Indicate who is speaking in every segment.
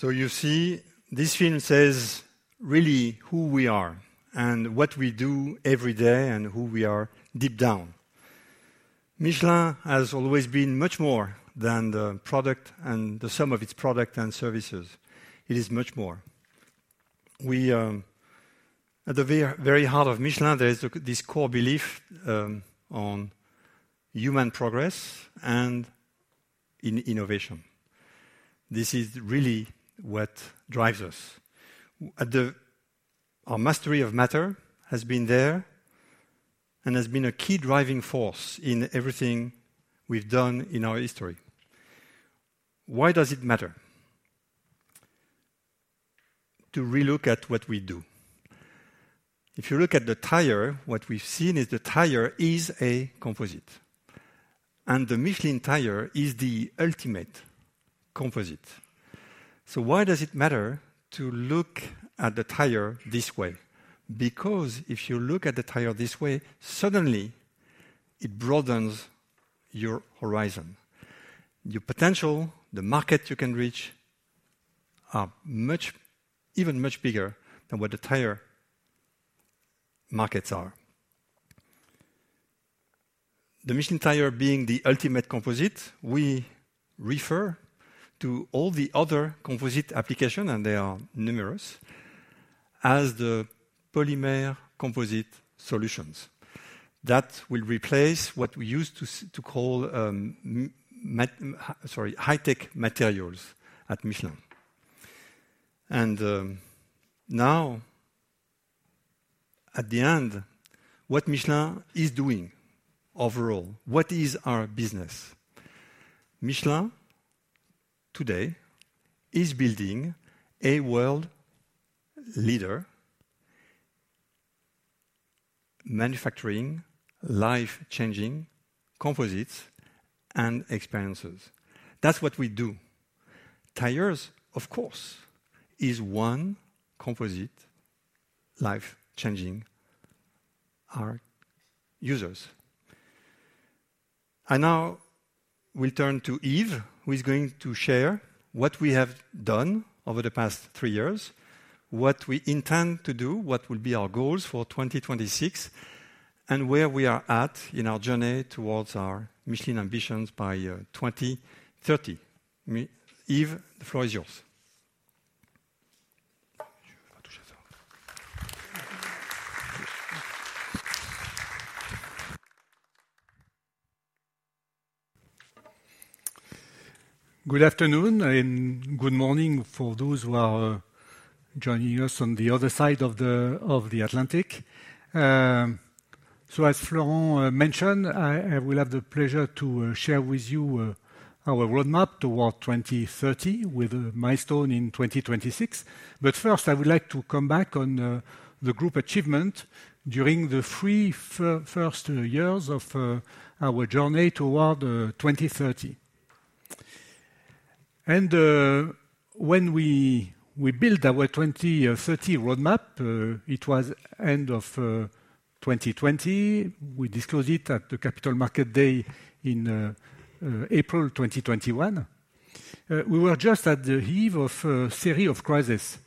Speaker 1: So you see, this film says really who we are and what we do every day and who we are deep down. Michelin has always been much more than the product and the sum of its product and services. It is much more. We at the very heart of Michelin, there is this core belief on human progress and in innovation. This is really what drives us. Our mastery of matter has been there and has been a key driving force in everything we've done in our history. Why does it matter? To relook at what we do. If you look at the tire, what we've seen is the tire is a composite, and the Michelin tire is the ultimate composite. So why does it matter to look at the tire this way? Because if you look at the tire this way, suddenly it broadens your horizon. Your potential, the market you can reach, are much, even much bigger than what the tire markets are. The Michelin tire being the ultimate composite, we refer to all the other composite applications, and they are numerous, as the Polymer Composite Solutions. That will replace what we used to call High-Tech Materials at Michelin. And, now, at the end, what Michelin is doing overall, what is our business? Michelin, today, is building a world leader, manufacturing, life-changing composites and experiences. That's what we do. Tires, of course, is one composite life-changing our users. Now we turn to Yves, who is going to share what we have done over the past three years, what we intend to do, what will be our goals for 2026, and where we are at in our journey towards our Michelin ambitions by 2030. Yves, the floor is yours.
Speaker 2: Good afternoon, and good morning for those who are joining us on the other side of the Atlantic. So as Florent mentioned, I will have the pleasure to share with you our roadmap toward 2030, with a milestone in 2026. But first, I would like to come back on the group achievement during the three first years of our journey toward 2030. When we built our 2030 roadmap, it was end of 2020. We disclosed it at the Capital Market Day in April 2021. We were just at the eve of a series of crises.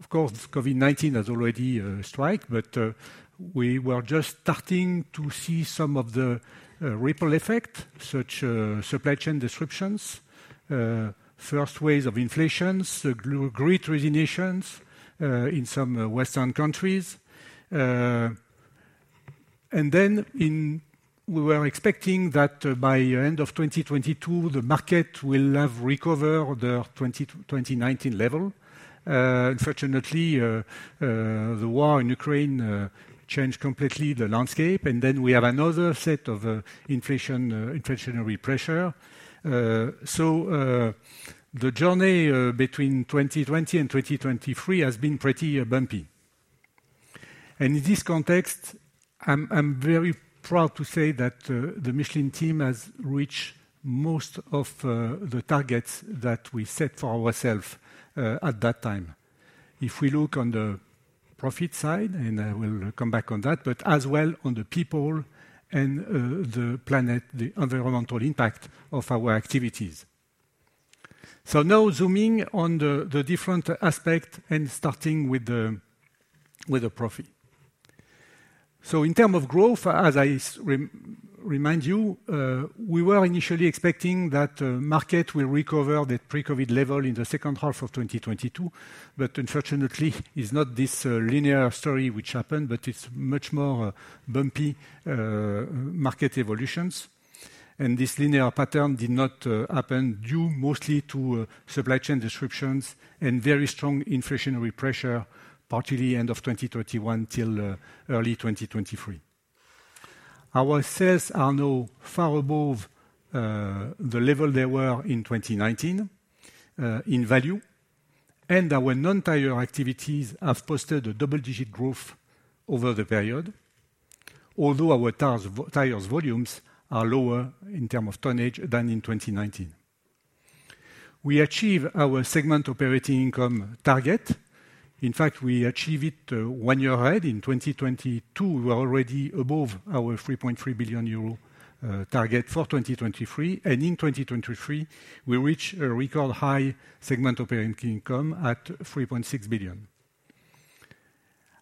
Speaker 2: Of course, COVID-19 has already struck, but we were just starting to see some of the ripple effect, such supply chain disruptions, first waves of inflations, the great resignations in some Western countries. We were expecting that by end of 2022, the market will have recovered the 2019 level. Unfortunately, the war in Ukraine changed completely the landscape, and then we have another set of inflation, inflationary pressure. So, the journey between 2020 and 2023 has been pretty bumpy. And in this context, I'm very proud to say that the Michelin team has reached most of the targets that we set for ourself at that time. If we look on the profit side, and I will come back on that, but as well on the people and the planet, the environmental impact of our activities. So now zooming on the different aspect and starting with the profit. So in terms of growth, as I remind you, we were initially expecting that the market will recover the pre-COVID level in the second half of 2022, but unfortunately, it's not this linear story which happened, but it's much more bumpy market evolutions. And this linear pattern did not happen due mostly to supply chain disruptions and very strong inflationary pressure, particularly end of 2021 till early 2023. Our sales are now far above the level they were in 2019 in value, and our non-tire activities have posted a double-digit growth over the period, although our tires volumes are lower in terms of tonnage than in 2019. We achieve our segment operating income target. In fact, we achieve it one year ahead. In 2022, we're already above our 3.3 billion euro target for 2023. And in 2023, we reach a record high segment operating income at 3.6 billion.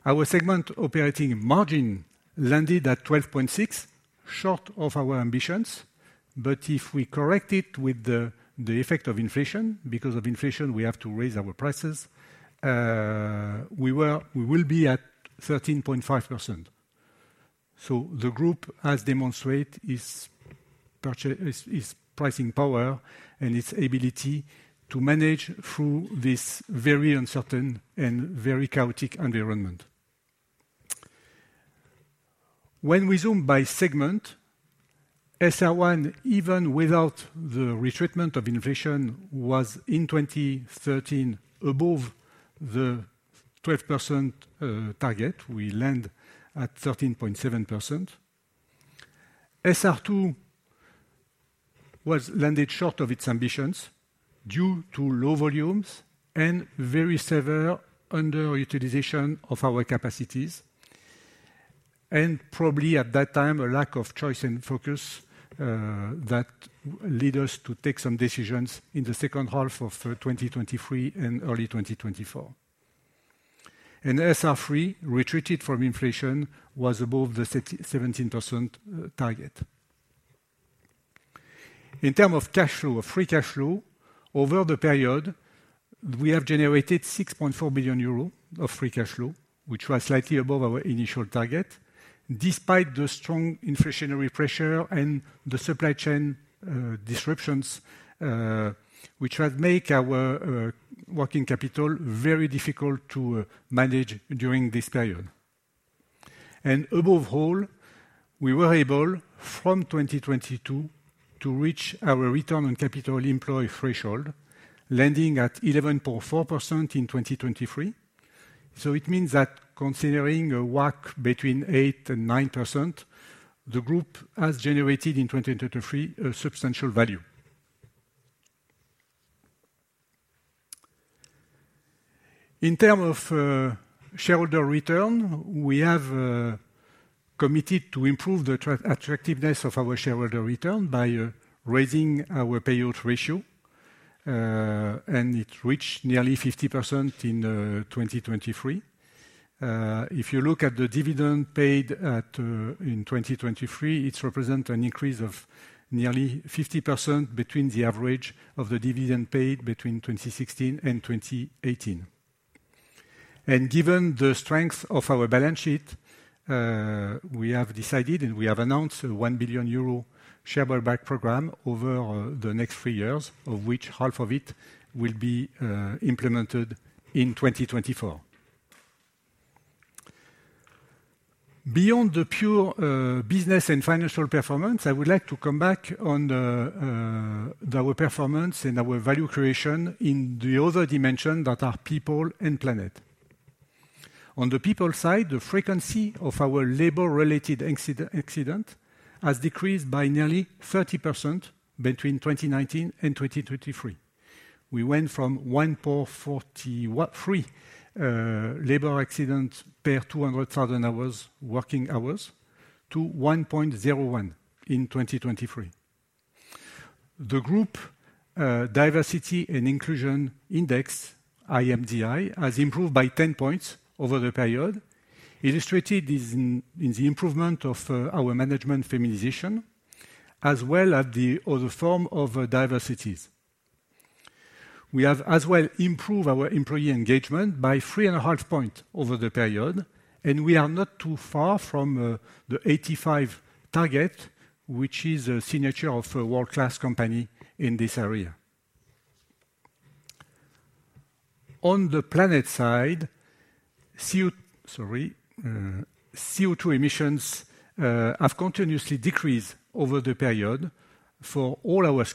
Speaker 2: Our segment operating margin landed at 12.6%, short of our ambitions, but if we correct it with the effect of inflation, because of inflation, we have to raise our prices, we will be at 13.5%. The group has demonstrate its pricing power and its ability to manage through this very uncertain and very chaotic environment. When we zoom by segment, SR1, even without the retreatment of inflation, was in 2013, above the 12% target. We land at 13.7%. SR2 was landed short of its ambitions due to low volumes and very severe underutilization of our capacities, and probably at that time, a lack of choice and focus, that lead us to take some decisions in the second half of 2023 and early 2024. And SR3, retreated from inflation, was above the 17% target. In terms of cash flow, of free cash flow, over the period, we have generated 6.4 billion euros of free cash flow, which was slightly above our initial target, despite the strong inflationary pressure and the supply chain disruptions, which had made our working capital very difficult to manage during this period. And above all, we were able, from 2022, to reach our return on capital employed threshold, landing at 11.4% in 2023. So it means that considering a WACC between 8% and 9%, the group has generated in 2023 a substantial value. In terms of shareholder return, we have committed to improve the attractiveness of our shareholder return by raising our payout ratio, and it reached nearly 50% in 2023. If you look at the dividend paid at, in 2023, it represent an increase of nearly 50% between the average of the dividend paid between 2016 and 2018. And given the strength of our balance sheet, we have decided, and we have announced a 1 billion euro share buyback program over the next three years, of which half of it will be implemented in 2024. Beyond the pure business and financial performance, I would like to come back on the our performance and our value creation in the other dimension that are people and planet. On the people side, the frequency of our labor-related accident has decreased by nearly 30% between 2019 and 2023. We went from 1.43 labor accidents per 200,000 working hours to 1.01 in 2023. The group Diversity and Inclusion Index, IMDI, has improved by 10 points over the period, illustrated in the improvement of our management feminization, as well as the other forms of diversities. We have as well improved our employee engagement by 3.5 points over the period, and we are not too far from the 85 target, which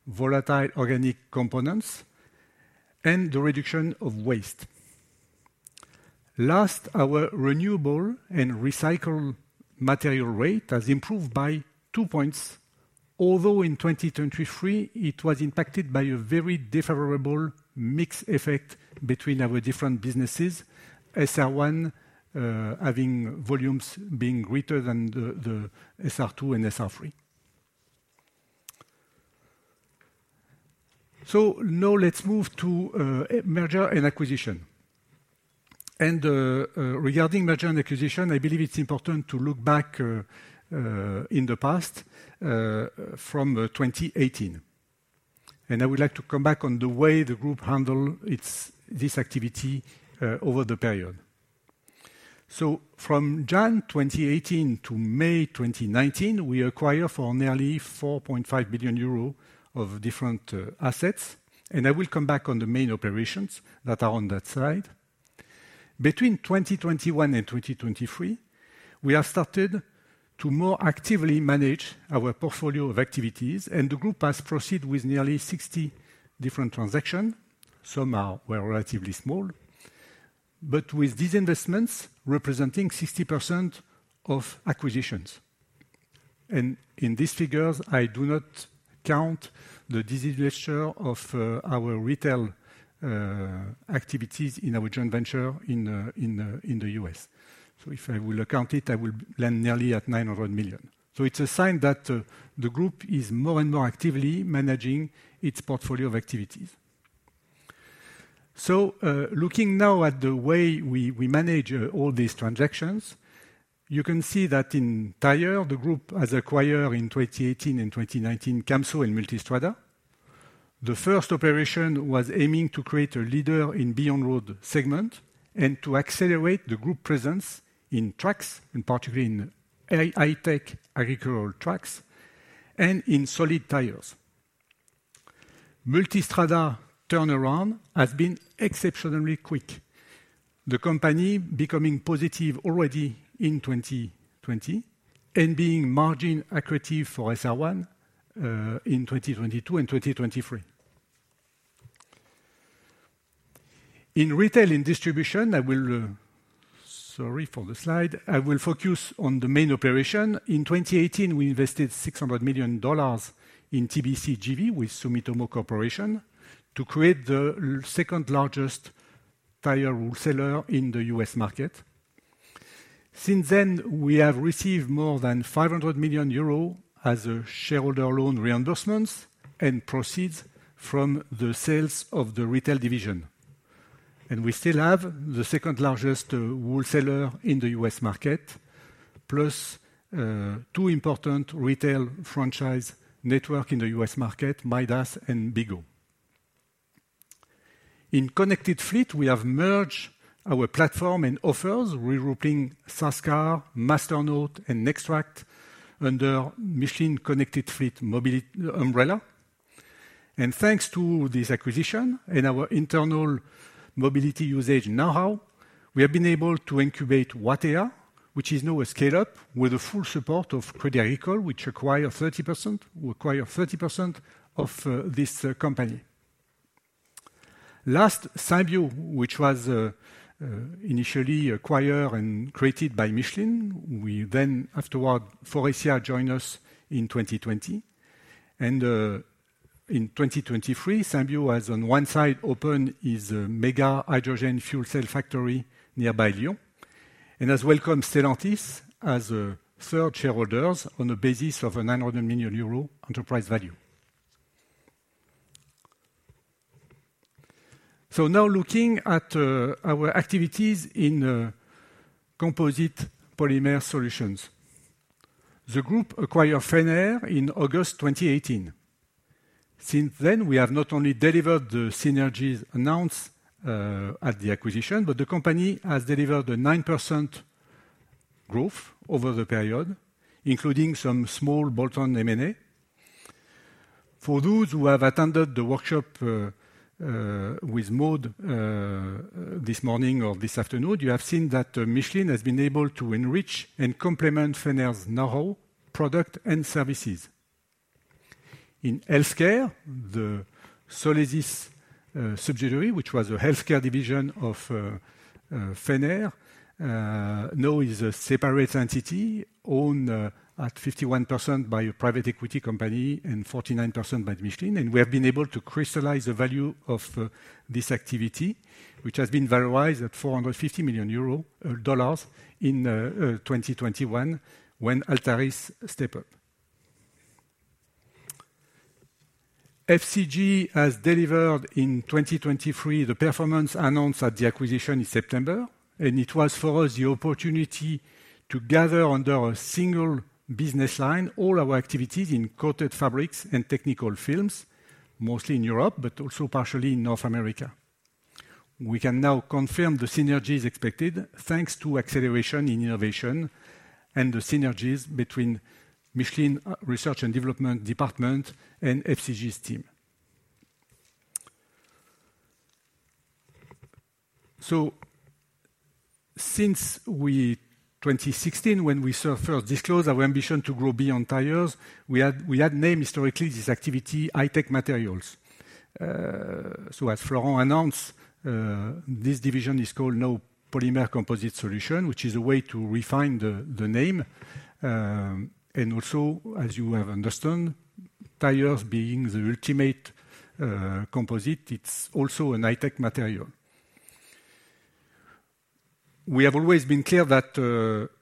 Speaker 2: is a signature of a world-class company in this area. On the planet side, CO2 emissions have continuously decreased over the period for all our scopes and primarily Scope 1 and 2, where we have, let's say, all the levers to improve. Our manufacturing site have overall decreased their environmental impact by 10%-16% versus 2019. Thanks, of course, to the action related to the CO2 emissions, but as well, the saving in water consumptions, the reduction in volatile organic components, and the reduction of waste. Last, our renewable and recycled material rate has improved by 2 points, although in 2023, it was impacted by a very favorable mix effect between our different businesses, SR1 having volumes being greater than the SR2 and SR3. So now let's move to merger and acquisition. And regarding merger and acquisition, I believe it's important to look back in the past from 2018. And I would like to come back on the way the group handle its this activity over the period. So from January 2018 to May 2019, we acquire for nearly 4.5 billion euros of different, assets, and I will come back on the main operations that are on that slide. Between 2021 and 2023, we have started to more actively manage our portfolio of activities, and the group has proceeded with nearly 60 different transactions. Some are, were relatively small, but with these investments representing 60% of acquisitions. And in these figures, I do not count the divestiture of, our retail, activities in our joint venture in, in, in the U.S. So if I will account it, I will land nearly at 900 million. So it's a sign that, the group is more and more actively managing its portfolio of activities. So, looking now at the way we, we manage, all these transactions, you can see that in tire, the group has acquired in 2018 and 2019, Camso and Multistrada. The first operation was aiming to create a leader in Beyond Road segment and to accelerate the group presence in trucks, and particularly in high-tech agricultural trucks, and in solid tires. Multistrada turnaround has been exceptionally quick. The company becoming positive already in 2020 and being margin accretive for SR1, in 2022 and 2023. In retail and distribution, I will... Sorry for the slide. I will focus on the main operation. In 2018, we invested $600 million in TBC JV with Sumitomo Corporation, to create the second largest tire wholesaler in the U.S. market. Since then, we have received more than 500 million euros as a shareholder loan reimbursements and proceeds from the sales of the retail division. We still have the second-largest wholesaler in the U.S. market, plus two important retail franchise network in the U.S. market, Midas and Big O. In Connected Fleet, we have merged our platform and offers, regrouping Sascar, Masternaut, and NexTraq under Michelin Connected Fleet Mobility umbrella. And thanks to this acquisition and our internal mobility usage know-how, we have been able to incubate Watèa, which is now a scale-up with the full support of Crédit Agricole, which acquired 30%—we acquire 30% of this company. Last, Symbio, which was initially acquired and created by Michelin. We then, afterward, Faurecia joined us in 2020, and in 2023, Symbio has, on one side, opened its mega hydrogen fuel cell factory nearby Lyon, and has welcomed Stellantis as a third shareholder on the basis of a 900 million euro enterprise value. So now looking at our activities in Polymer Composite Solutions. The group acquired Fenner in August 2018. Since then, we have not only delivered the synergies announced at the acquisition, but the company has delivered a 9% growth over the period, including some small bolt-on M&A. For those who have attended the workshop with Maude this morning or this afternoon, you have seen that Michelin has been able to enrich and complement Fenner's know-how, product, and services. In healthcare, the Solesis subsidiary, which was a healthcare division of Fenner, now is a separate entity, owned at 51% by a private equity company and 49% by Michelin. We have been able to crystallize the value of this activity, which has been valorized at 450 million euro in 2021, when Altaris step up. FCG has delivered in 2023 the performance announced at the acquisition in September, and it was for us the opportunity to gather under a single business line all our activities in coated fabrics and technical films, mostly in Europe, but also partially in North America. We can now confirm the synergies expected, thanks to acceleration in innovation and the synergies between Michelin Research & Development department and FCG's team. So since 2016, when we first disclosed our ambition to grow beyond tires, we had named historically this activity high-tech materials. So as Florent announced, this division is called now Polymer Composite Solutions, which is a way to refine the name. And also, as you have understood, tires being the ultimate composite, it's also a high-tech material. We have always been clear that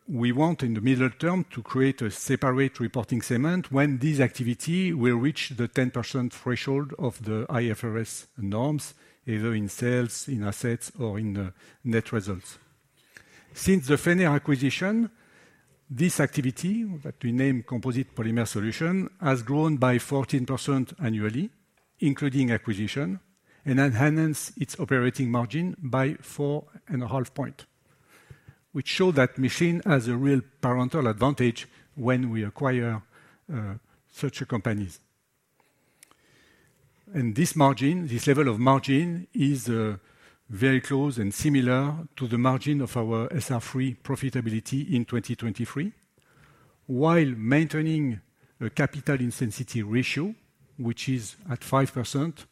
Speaker 2: we want, in the middle term, to create a separate reporting segment when this activity will reach the 10% threshold of the IFRS norms, either in sales, in assets, or in net results. Since the Fenner acquisition, this activity, that we name Polymer Composite Solutions, has grown by 14% annually, including acquisition, and enhanced its operating margin by 4.5 points. Which show that Michelin has a real parental advantage when we acquire such companies and this margin, this level of margin, is very close and similar to the margin of our SR3 profitability in 2023, while maintaining a capital intensity ratio, which is at 5%,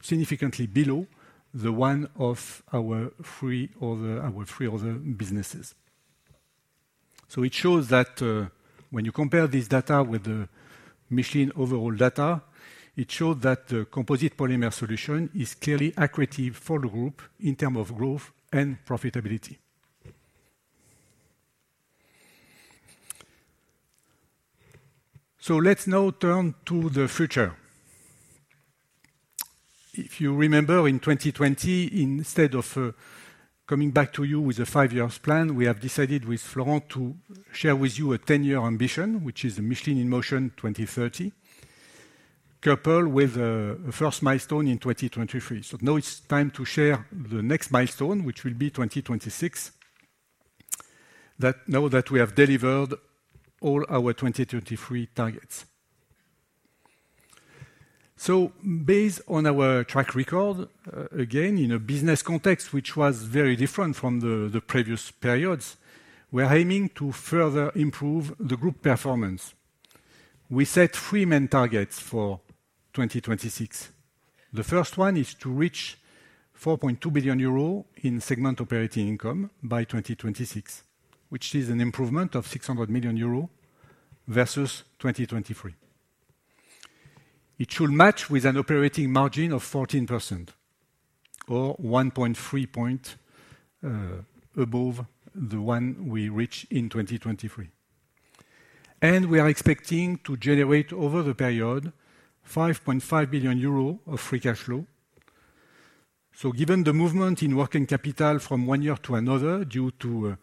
Speaker 2: significantly below the one of our three other, our three other businesses. So it shows that, when you compare this data with the Michelin overall data, it shows that the composite polymer solution is clearly accretive for the group in terms of growth and profitability. So let's now turn to the future. If you remember, in 2020, instead of coming back to you with a five-year plan, we have decided with Florent to share with you a 10-year ambition, which is the Michelin in Motion 2030, coupled with a first milestone in 2023. Now it's time to share the next milestone, which will be 2026, now that we have delivered all our 2033 targets. Based on our track record, again, in a business context, which was very different from the previous periods, we're aiming to further improve the group performance. We set three main targets for 2026. The first one is to reach 4.2 billion euro in segment operating income by 2026, which is an improvement of 600 million euro versus 2023. It should match with an operating margin of 14%, or 1.3-point above the one we reach in 2023. We are expecting to generate, over the period, 5.5 billion euros of free cash flow. Given the movement in working capital from one year to another, due to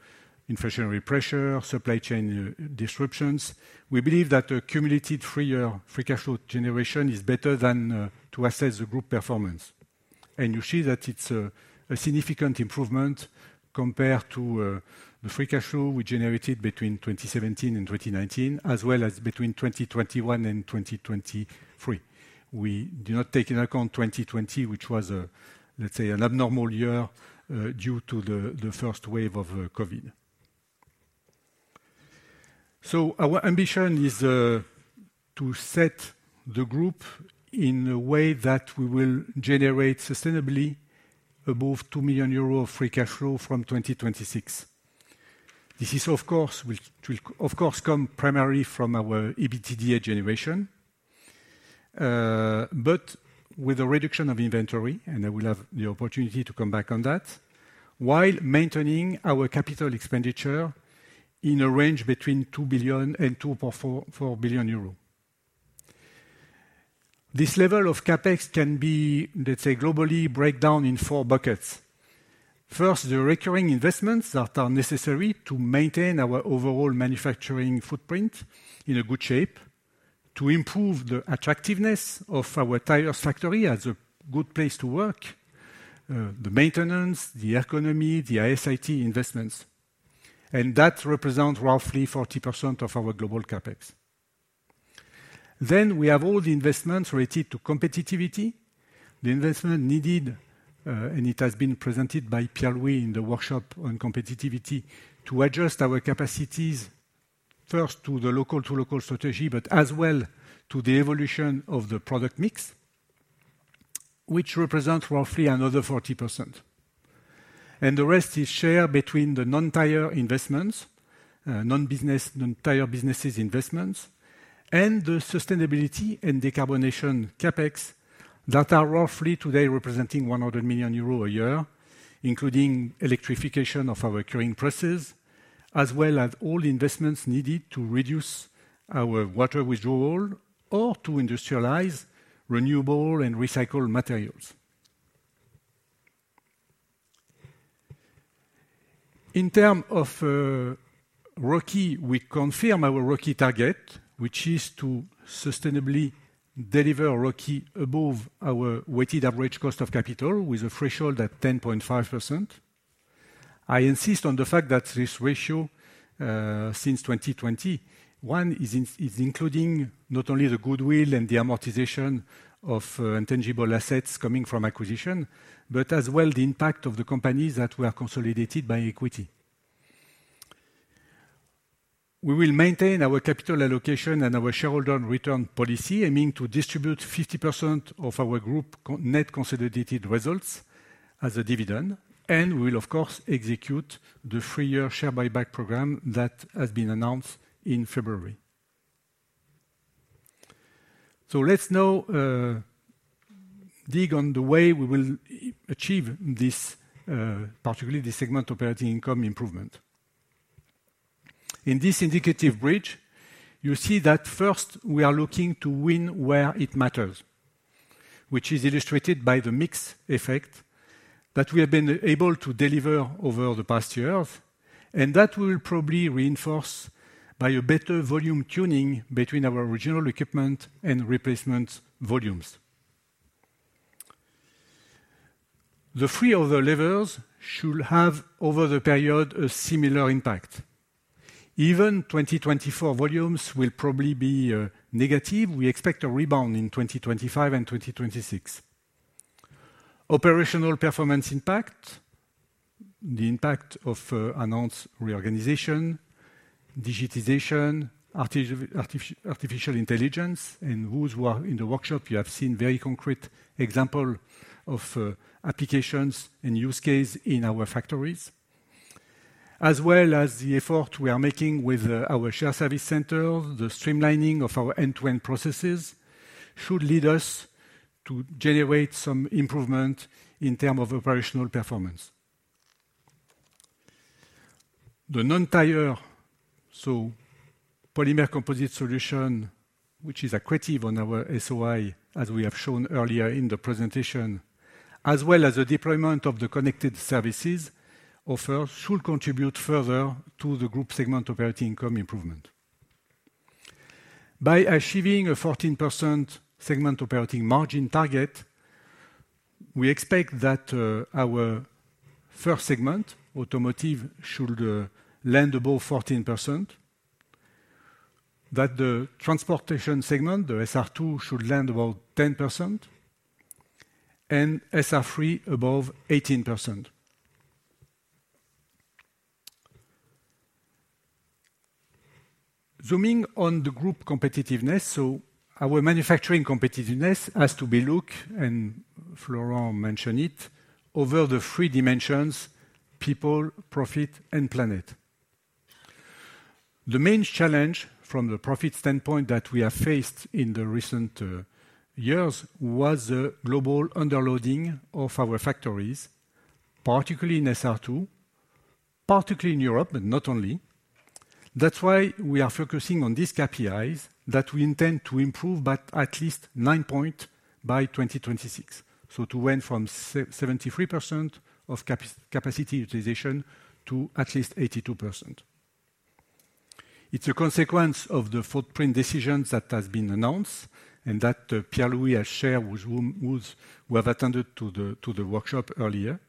Speaker 2: inflationary pressure, supply chain disruptions, we believe that a cumulative three-year free cash flow generation is better than to assess the group performance. You see that it's a significant improvement compared to the free cash flow we generated between 2017 and 2019, as well as between 2021 and 2023. We do not take into account 2020, which was a, let's say, an abnormal year, due to the first wave of COVID. Our ambition is to set the group in a way that we will generate sustainably above 2 million euros of free cash flow from 2026. This will of course come primarily from our EBITDA generation, but with a reduction of inventory, and I will have the opportunity to come back on that, while maintaining our capital expenditure in a range between 2 billion and 2.4 billion euros. This level of CapEx can be, let's say, globally breakdown in four buckets. First, the recurring investments that are necessary to maintain our overall manufacturing footprint in a good shape, to improve the attractiveness of our tires factory as a good place to work, the maintenance, the economy, the IS/IT investments, and that represent roughly 40% of our global CapEx. Then we have all the investments related to competitiveness, the investment needed, and it has been presented by Pierre-Louis in the workshop on competitiveness, to adjust our capacities, first to the local, to local strategy, but as well to the evolution of the product mix, which represents roughly another 40%. And the rest is shared between the non-tire investments, non-business, non-tire businesses investments, and the sustainability and decarbonization CapEx that are roughly today representing EUR 100 million a year, including electrification of our curing process, as well as all investments needed to reduce our water withdrawal or to industrialize renewable and recycled materials. In terms of ROCE, we confirm our ROCE target, which is to sustainably The main challenge from the profit standpoint that we have faced in the recent years was the global underloading of our factories, particularly in SR2, particularly in Europe, but not only. That's why we are focusing on these KPIs that we intend to improve by at least 9 points by 2026. So we went from 73% capacity utilization to at least 82%. It's a consequence of the footprint decisions that has been announced, and that Pierre-Louis has shared with you, those who have attended the workshop earlier.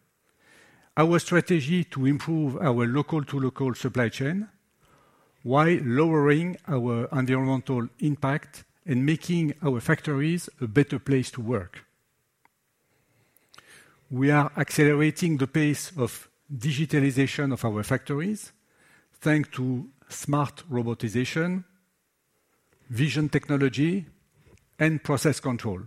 Speaker 2: Our strategy to improve our local-to-local supply chain, while lowering our environmental impact and making our factories a better place to work. We are accelerating the pace of digitalization of our factories, thanks to smart robotization, vision technology, and process control.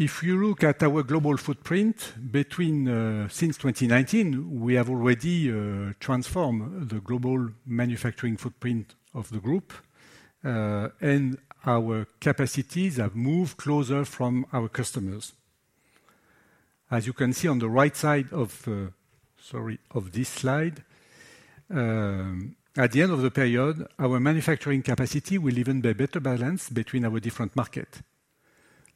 Speaker 2: If you look at our global footprint since 2019, we have already transformed the global manufacturing footprint of the group, and our capacities have moved closer to our customers. As you can see on the right side of, sorry, of this slide, at the end of the period, our manufacturing capacity will even be better balanced between our different market.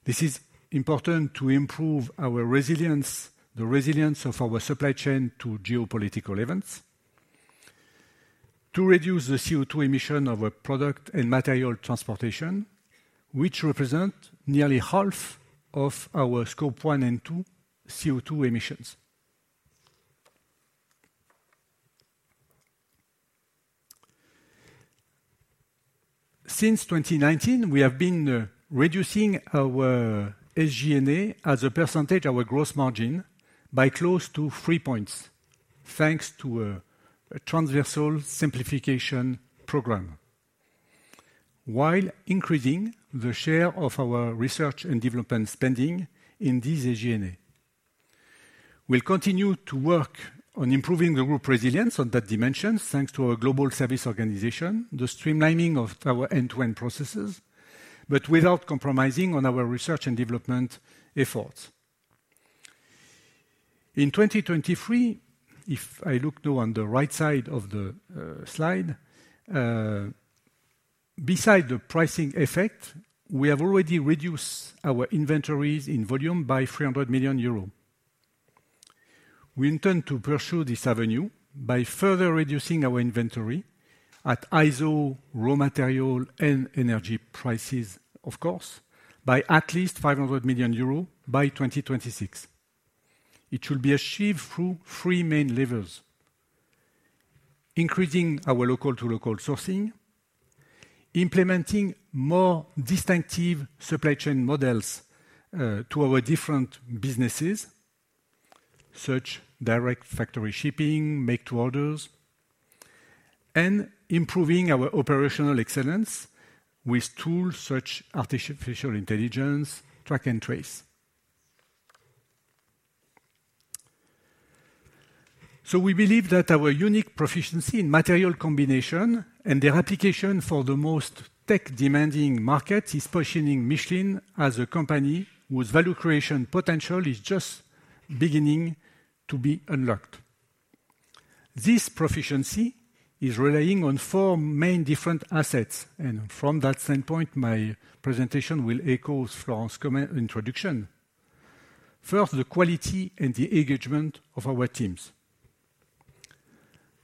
Speaker 2: This is important to improve our resilience, the resilience of our supply chain to geopolitical events, to reduce the CO2 emission of our product and material transportation, which represent nearly half of our Scope 1 and 2 CO2 emissions. Since 2019, we have been reducing our SG&A as a percentage, our gross margin, by close to 3 points, thanks to a transversal simplification program, while increasing the share of our research and development spending in this SG&A. We'll continue to work on improving the group resilience on that dimension, thanks to our global service organization, the streamlining of our end-to-end processes, but without compromising on our research and development efforts. In 2023, if I look now on the right side of the slide, beside the pricing effect, we have already reduced our inventories in volume by 300 million euros. We intend to pursue this avenue by further reducing our inventory at ISO, raw material, and energy prices, of course, by at least 500 million euros by 2026. It should be achieved through three main levers: increasing our local-to-local sourcing, implementing more distinctive supply chain models to our different businesses, such direct factory shipping, make to orders, and improving our operational excellence with tools such artificial intelligence, track and trace. So we believe that our unique proficiency in material combination and their application for the most tech-demanding market, is positioning Michelin as a company whose value creation potential is just beginning to be unlocked. This proficiency is relying on 4 main different assets, and from that standpoint, my presentation will echo Florent's comment, introduction. First, the quality and the engagement of our teams.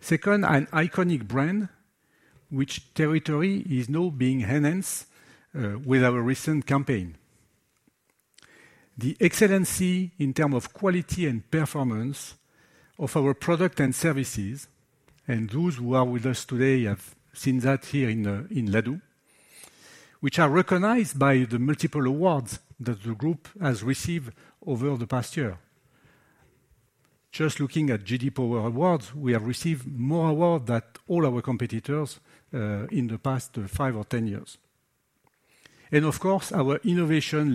Speaker 2: Second, an iconic brand which territory is now being enhanced with our recent campaign. The excellence in terms of quality and performance of our product and services, and those who are with us today have seen that here in, in Ladoux, which are recognized by the multiple awards that the group has received over the past year. Just looking at J.D. Power Awards, we have received more awards than all our competitors in the past 5 or 10 years. And of course, our innovation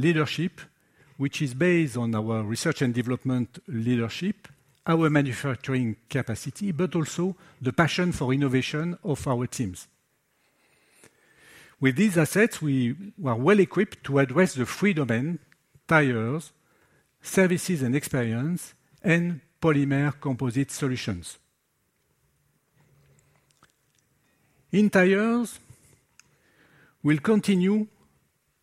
Speaker 2: leadership, which is based on our research and development leadership, our manufacturing capacity, but also the passion for innovation of our teams. With these assets, we are well-equipped to address the three domain: tires, services and experience, and Polymer Composite Solutions. In tires, we'll continue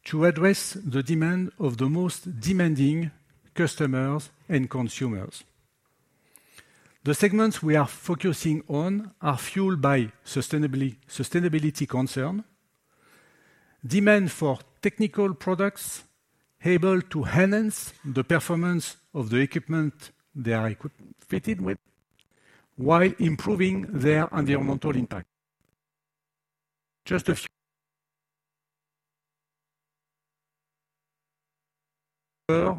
Speaker 2: to address the demand of the most demanding customers and consumers. The segments we are focusing on are fueled by sustainability concern, demand for technical products able to enhance the performance of the equipment they are fitted with, while improving their environmental impact.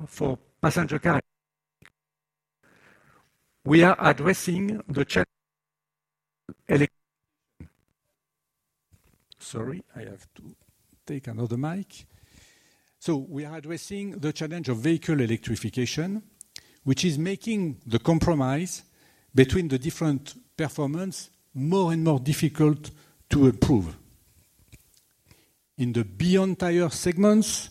Speaker 2: For passenger car. We are addressing the challenge. Sorry, I have to take another mic. So we are addressing the challenge of vehicle electrification, which is making the compromise between the different performance more and more difficult to improve. In the Beyond Road segment, sorry, we are helping farmers to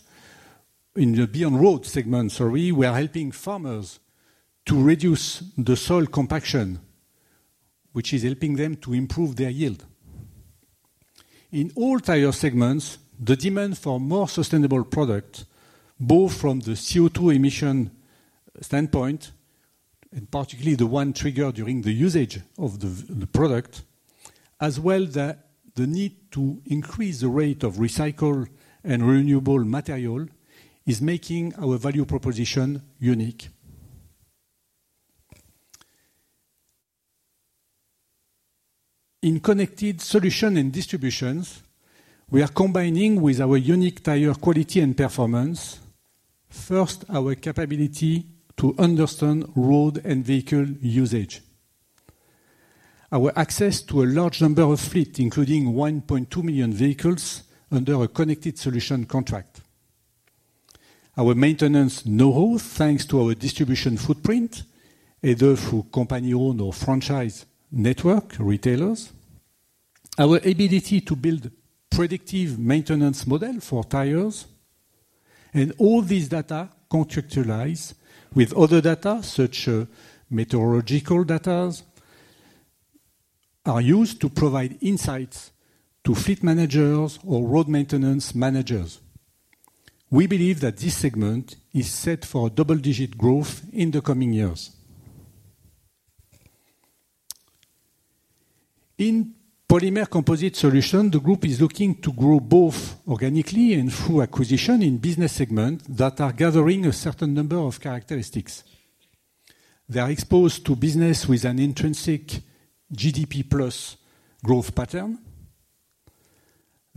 Speaker 2: reduce the soil compaction, which is helping them to improve their yield. In all tire segments, the demand for more sustainable product, both from the CO2 emission standpoint, and particularly the one triggered during the usage of the product, as well as the need to increase the rate of recycled and renewable material, is making our value proposition unique. In connected solution and distributions, we are combining with our unique tire quality and performance, first, our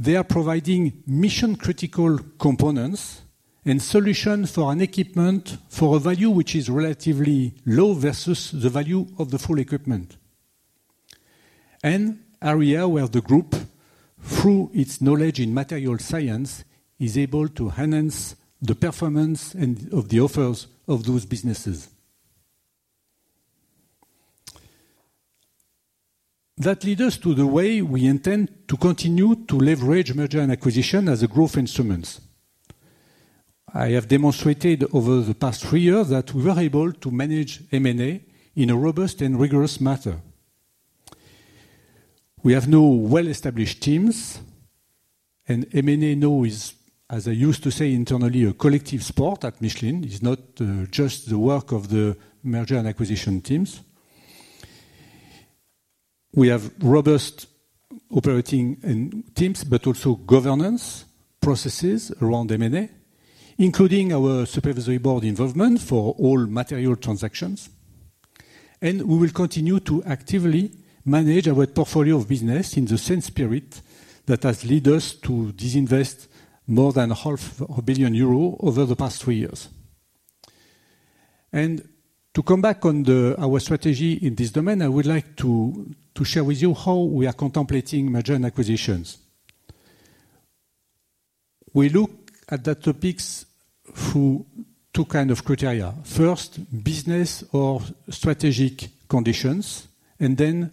Speaker 2: capability to understand road and vehicle usage. Our access to a large number of fleets, including 1.2 million vehicles, under a connected solution contract. Our maintenance know-how, thanks to our distribution footprint, either through company-owned or franchise network retailers. Our ability to build predictive maintenance model for tires. And all this data contextualized with other data, such as meteorological data, are used to provide insights to fleet managers or road maintenance managers. We believe that this segment is set for double-digit growth in the coming years. In Polymer Composite Solutions, the group is looking to grow both organically and through acquisition to share with you how we are contemplating merger and acquisitions. We look at the topics through two kind of criteria: first, business or strategic conditions, and then,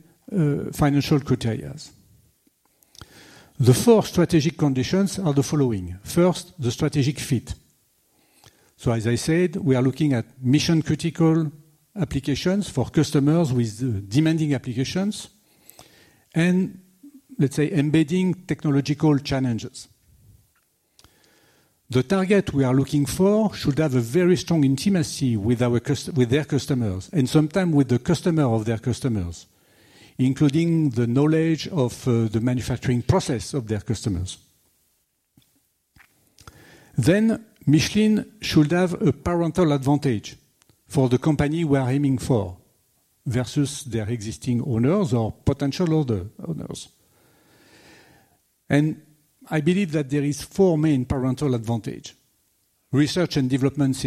Speaker 2: financial criterias. The four strategic conditions are the following: First, the strategic fit. So, as I said, we are looking at mission-critical applications for customers with demanding applications and, let's say, embedding technological challenges... The target we are looking for should have a very strong intimacy with our customers, and sometimes with the customer of their customers, including the knowledge of the manufacturing process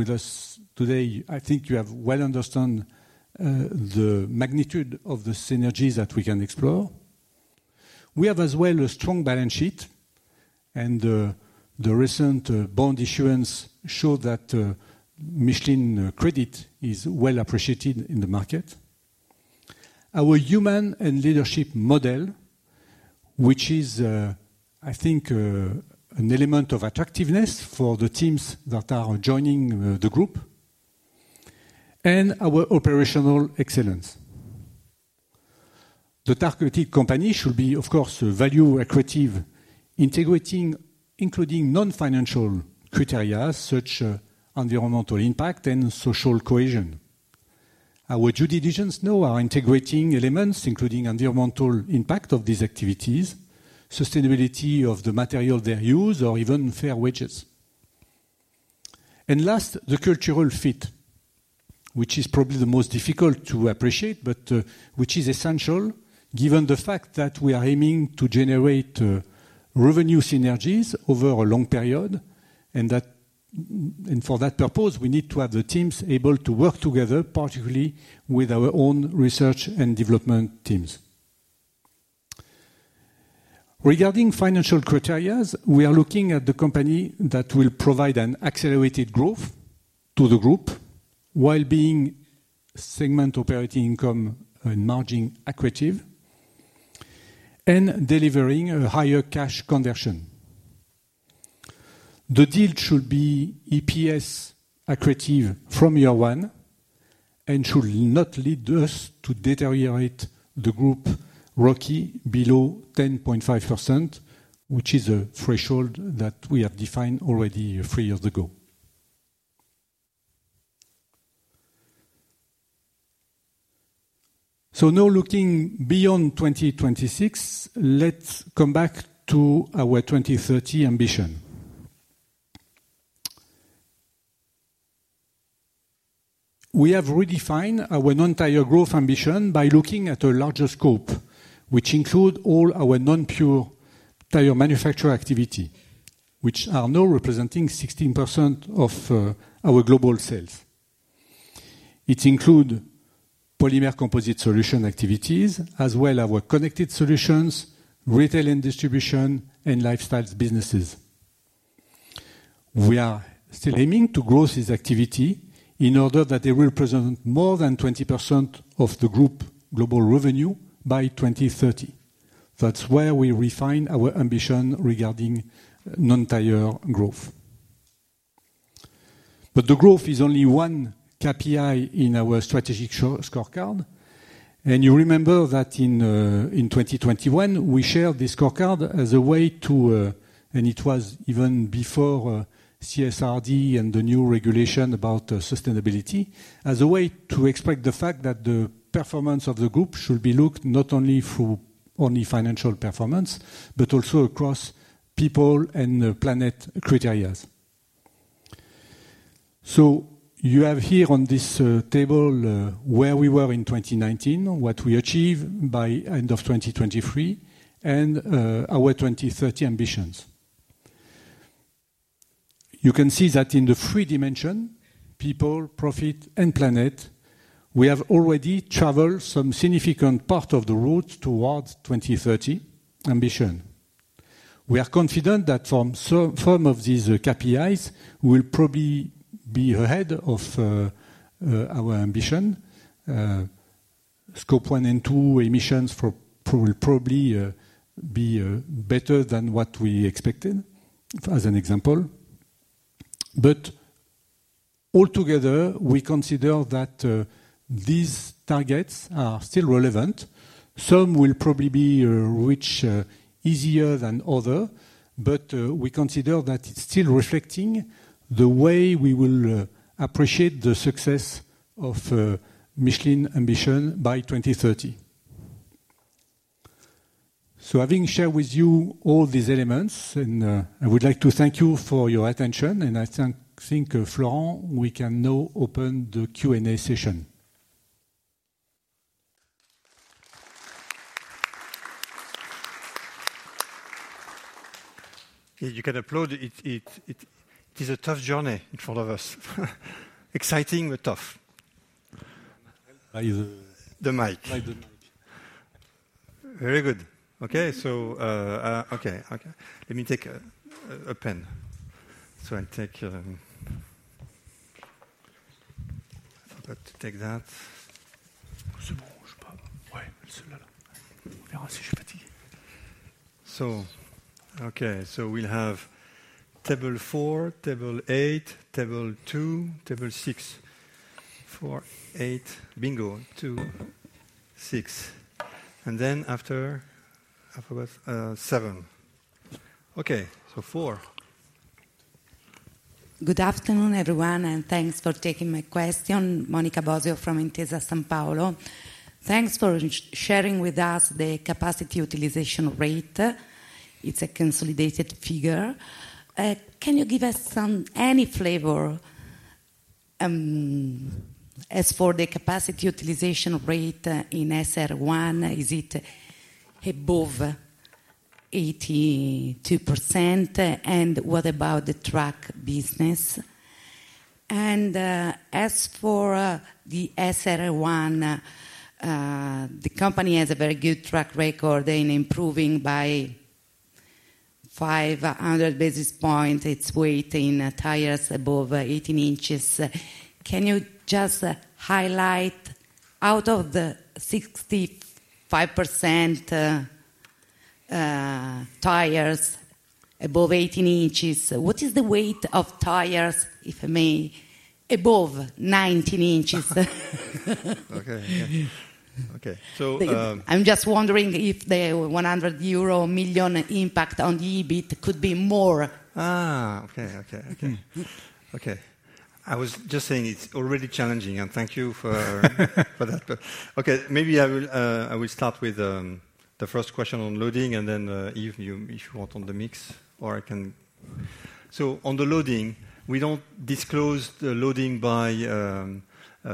Speaker 2: of their customers. Then, Michelin should have a parental advantage for the company we are aiming for, versus their existing owners or potential other owners. And I believe that there is four main parental advantage: research and development synergies, and for those who are with us today, I think you have well understand the magnitude of the synergies that we can explore. We have as well a strong balance sheet, and the recent bond issuance showed that Michelin credit is well appreciated in the market. Our human and leadership model, which is, I think, an element of attractiveness for the teams that are joining the group, and our operational excellence. The targeted company should be, of course, a value accretive, integrating, including non-financial criteria, such environmental impact and social cohesion. Our due diligence now are integrating elements, including environmental impact of these activities, sustainability of the material they use, or even fair wages. And last, the cultural fit, which is probably the most difficult to appreciate, So having shared with you all these elements, and I would like to thank you for your attention, and I think, Florent, we can now open the Q&A session. You can applaud. It is a tough journey in front of us. Exciting, but tough.
Speaker 1: By the-
Speaker 2: The mic.
Speaker 1: By the mic.
Speaker 2: Very good. Okay, so, okay, okay. Let me take a pen. So I'll take... I forgot to take that. So, okay, so we'll have table 4, table 8, table 2, table 6....
Speaker 1: 4, 8, bingo! 2, 6, and then after, after what? seven. Okay, so 4.
Speaker 3: Good afternoon, everyone, and thanks for taking my question. Monica Bosio from Intesa Sanpaolo. Thanks for sharing with us the capacity utilization rate. It's a consolidated figure. Can you give us some, any flavor, as for the capacity utilization rate in SR1, is it above 82%? And what about the truck business? And, as for, the SR1, the company has a very good track record in improving by 500 basis points. Its weight in tires above 18 inches. Can you just highlight out of the 65%, tires above 18 inches, what is the weight of tires, if I may, above 19 inches?
Speaker 1: Okay. Yeah. Okay. So,
Speaker 3: I'm just wondering if the 100 million euro impact on the EBIT could be more.
Speaker 1: Ah! Okay, okay, okay. Okay. I was just saying it's already challenging, and thank you for that. Okay, maybe I will start with the first question on loading and then, Yves, you, if you want on the mix, or I can... So on the loading, we don't disclose the loading by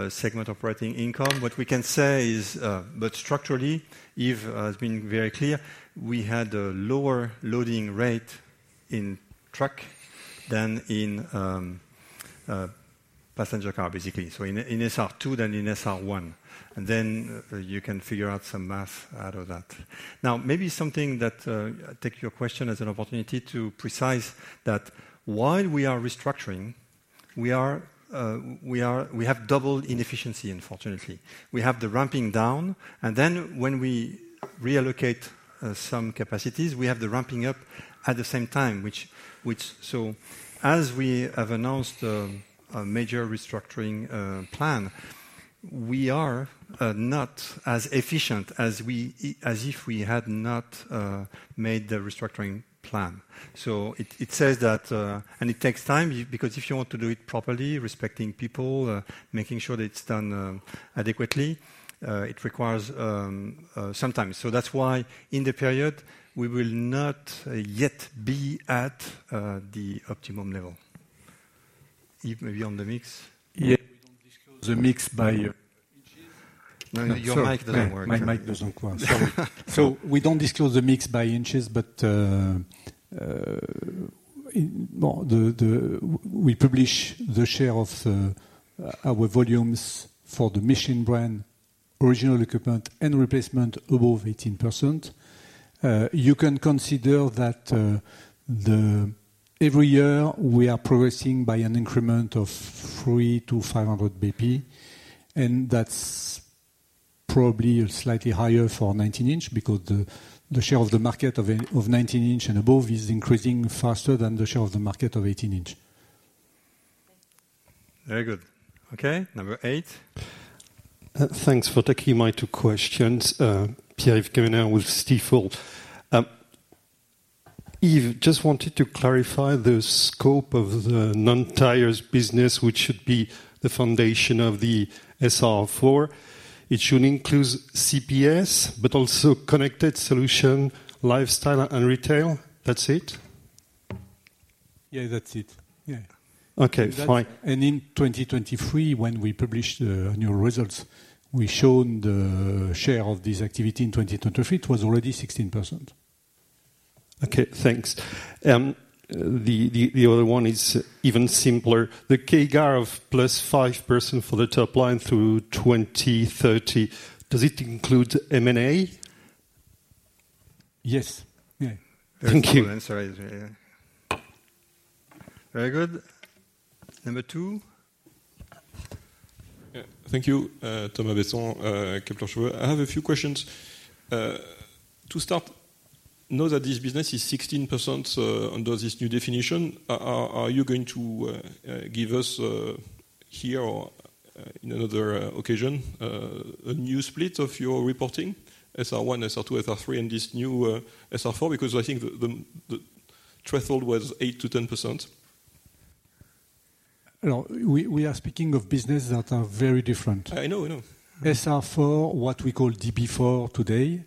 Speaker 1: segment operating income. What we can say is, but structurally, Yves has been very clear, we had a lower loading rate in truck than in passenger car, basically. So in SR2 than in SR1, and then you can figure out some math out of that. Now, maybe something that take your question as an opportunity to precise that while we are restructuring, we have double inefficiency, unfortunately. We have the ramping down, and then when we reallocate some capacities, we have the ramping up at the same time, which... So as we have announced, a major restructuring plan, we are not as efficient as we, as if we had not made the restructuring plan. So it says that... And it takes time, because if you want to do it properly, respecting people, making sure that it's done adequately, it requires some time. So that's why in the period we will not yet be at the optimum level. Yves, maybe on the mix?
Speaker 2: Yeah, we don't disclose the mix by,
Speaker 1: No, your mic doesn't work.
Speaker 2: My mic doesn't work. Sorry. So we don't disclose the mix by inches, but, well, we publish the share of our volumes for the Michelin brand, Original Equipment and replacement above 18%. You can consider that every year we are progressing by an increment of 300-500 BP, and that's probably slightly higher for 19-inch, because the share of the market of 19-inch and above is increasing faster than the share of the market of 18-inch.
Speaker 1: Very good. Okay, number 8.
Speaker 4: Thanks for taking my two questions. Pierre-Yves Quemener with Stifel. Yves, just wanted to clarify the scope of the non-tires business, which should be the foundation of the SR4. It should include CPS, but also connected solution, lifestyle, and retail. That's it?
Speaker 2: Yeah, that's it. Yeah.
Speaker 4: Okay, fine.
Speaker 2: In 2023, when we published the annual results, we shown the share of this activity in 2023. It was already 16%.
Speaker 4: Okay, thanks. The other one is even simpler. The CAGR of +5% for the top line through 2030, does it include M&A?
Speaker 2: Yes. Yeah.
Speaker 4: Thank you.
Speaker 2: Good answer, yeah.
Speaker 1: Very good. Number two?
Speaker 5: Yeah. Thank you, Thomas Besson, Kepler Cheuvreux. I have a few questions. To start, now that this business is 16%, under this new definition, are you going to give us, here or, in another occasion, a new split of your reporting, SR1, SR2, SR3, and this new, SR4? Because I think the threshold was 8%-10%.
Speaker 2: No, we are speaking of businesses that are very different.
Speaker 5: I know, I know.
Speaker 2: SR4, what we call DB4 today,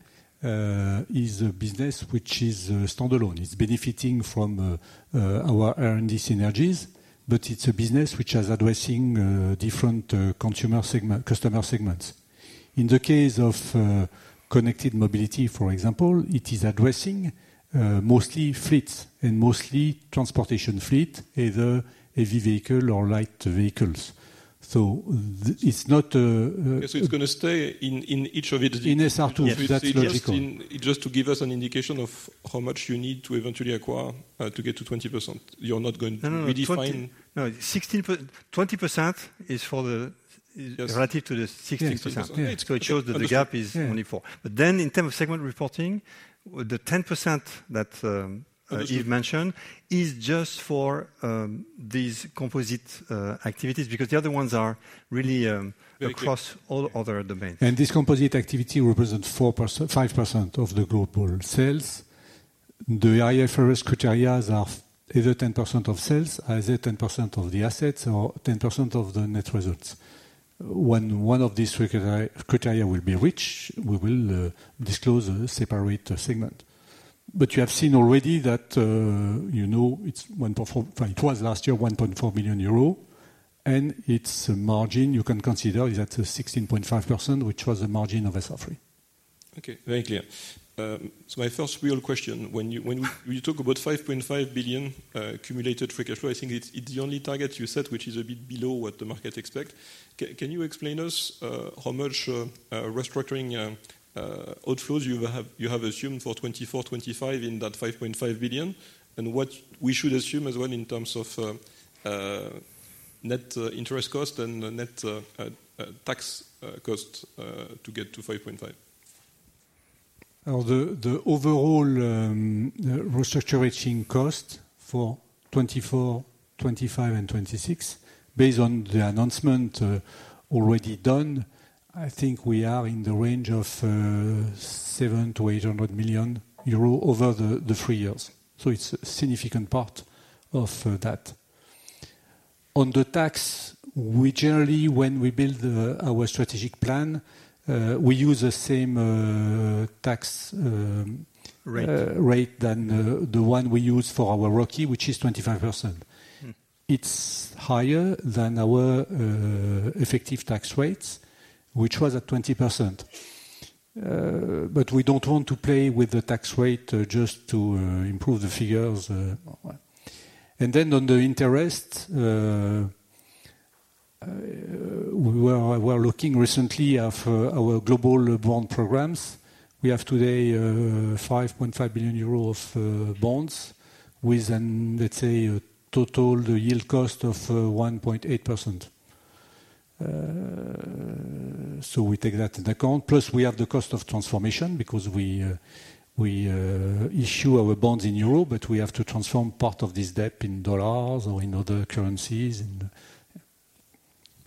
Speaker 2: is a business which is standalone. It's benefiting from our R&D synergies, but it's a business which is addressing different consumer segment, customer segments. In the case of connected mobility, for example, it is addressing mostly fleets and mostly transportation fleet, either heavy vehicle or light vehicles. So it's not,
Speaker 5: So it's gonna stay in each of it-
Speaker 2: In SR2, that's logical.
Speaker 5: Just to give us an indication of how much you need to eventually acquire, to get to 20%. You're not going to redefine-
Speaker 1: No, no, no. 16 per... 20% is for the-
Speaker 5: Yes.
Speaker 1: Relative to the 16%.
Speaker 2: Yes.
Speaker 1: It shows that the gap is only four.
Speaker 5: Yeah.
Speaker 1: But then in terms of segment reporting, the 10% that Yves mentioned is just for these composite activities, because the other ones are really
Speaker 5: Very clear...
Speaker 1: across all other domains.
Speaker 2: This composite activity represents 4%-5% of the global sales. The IFRS criteria are either 10% of sales, either 10% of the assets, or 10% of the net results. When one of these criteria will be reached, we will disclose a separate segment. But you have seen already that, you know, it's 1.4 billion—it was last year 1.4 billion euro, and its margin, you can consider, is at 16.5%, which was the margin of SR3.
Speaker 5: Okay, very clear. So my first real question, when you talk about 5.5 billion accumulated Free Cash Flow, I think it's the only target you set, which is a bit below what the market expect. Can you explain us how much restructuring outflows you have assumed for 2024, 2025 in that 5.5 billion? And what we should assume as well in terms of net interest cost and net tax costs to get to 5.5 billion.
Speaker 2: The overall restructuring cost for 2024, 2025 and 2026, based on the announcement already done, I think we are in the range of 700 million-800 million euros over the three years. So it's a significant part of that. On the tax, we generally, when we build our strategic plan, we use the same tax.
Speaker 5: Rate...
Speaker 2: rate than the one we use for our ROCE, which is 25%.
Speaker 5: Mm.
Speaker 2: It's higher than our effective tax rates, which was at 20%. But we don't want to play with the tax rate just to improve the figures. And then on the interest, we were looking recently at our global bond programs. We have today 5.5 billion euros of bonds with, let's say, a total yield cost of 1.8%. So we take that into account. Plus, we have the cost of transformation because we issue our bonds in euro, but we have to transform part of this debt in dollars or in other currencies, and...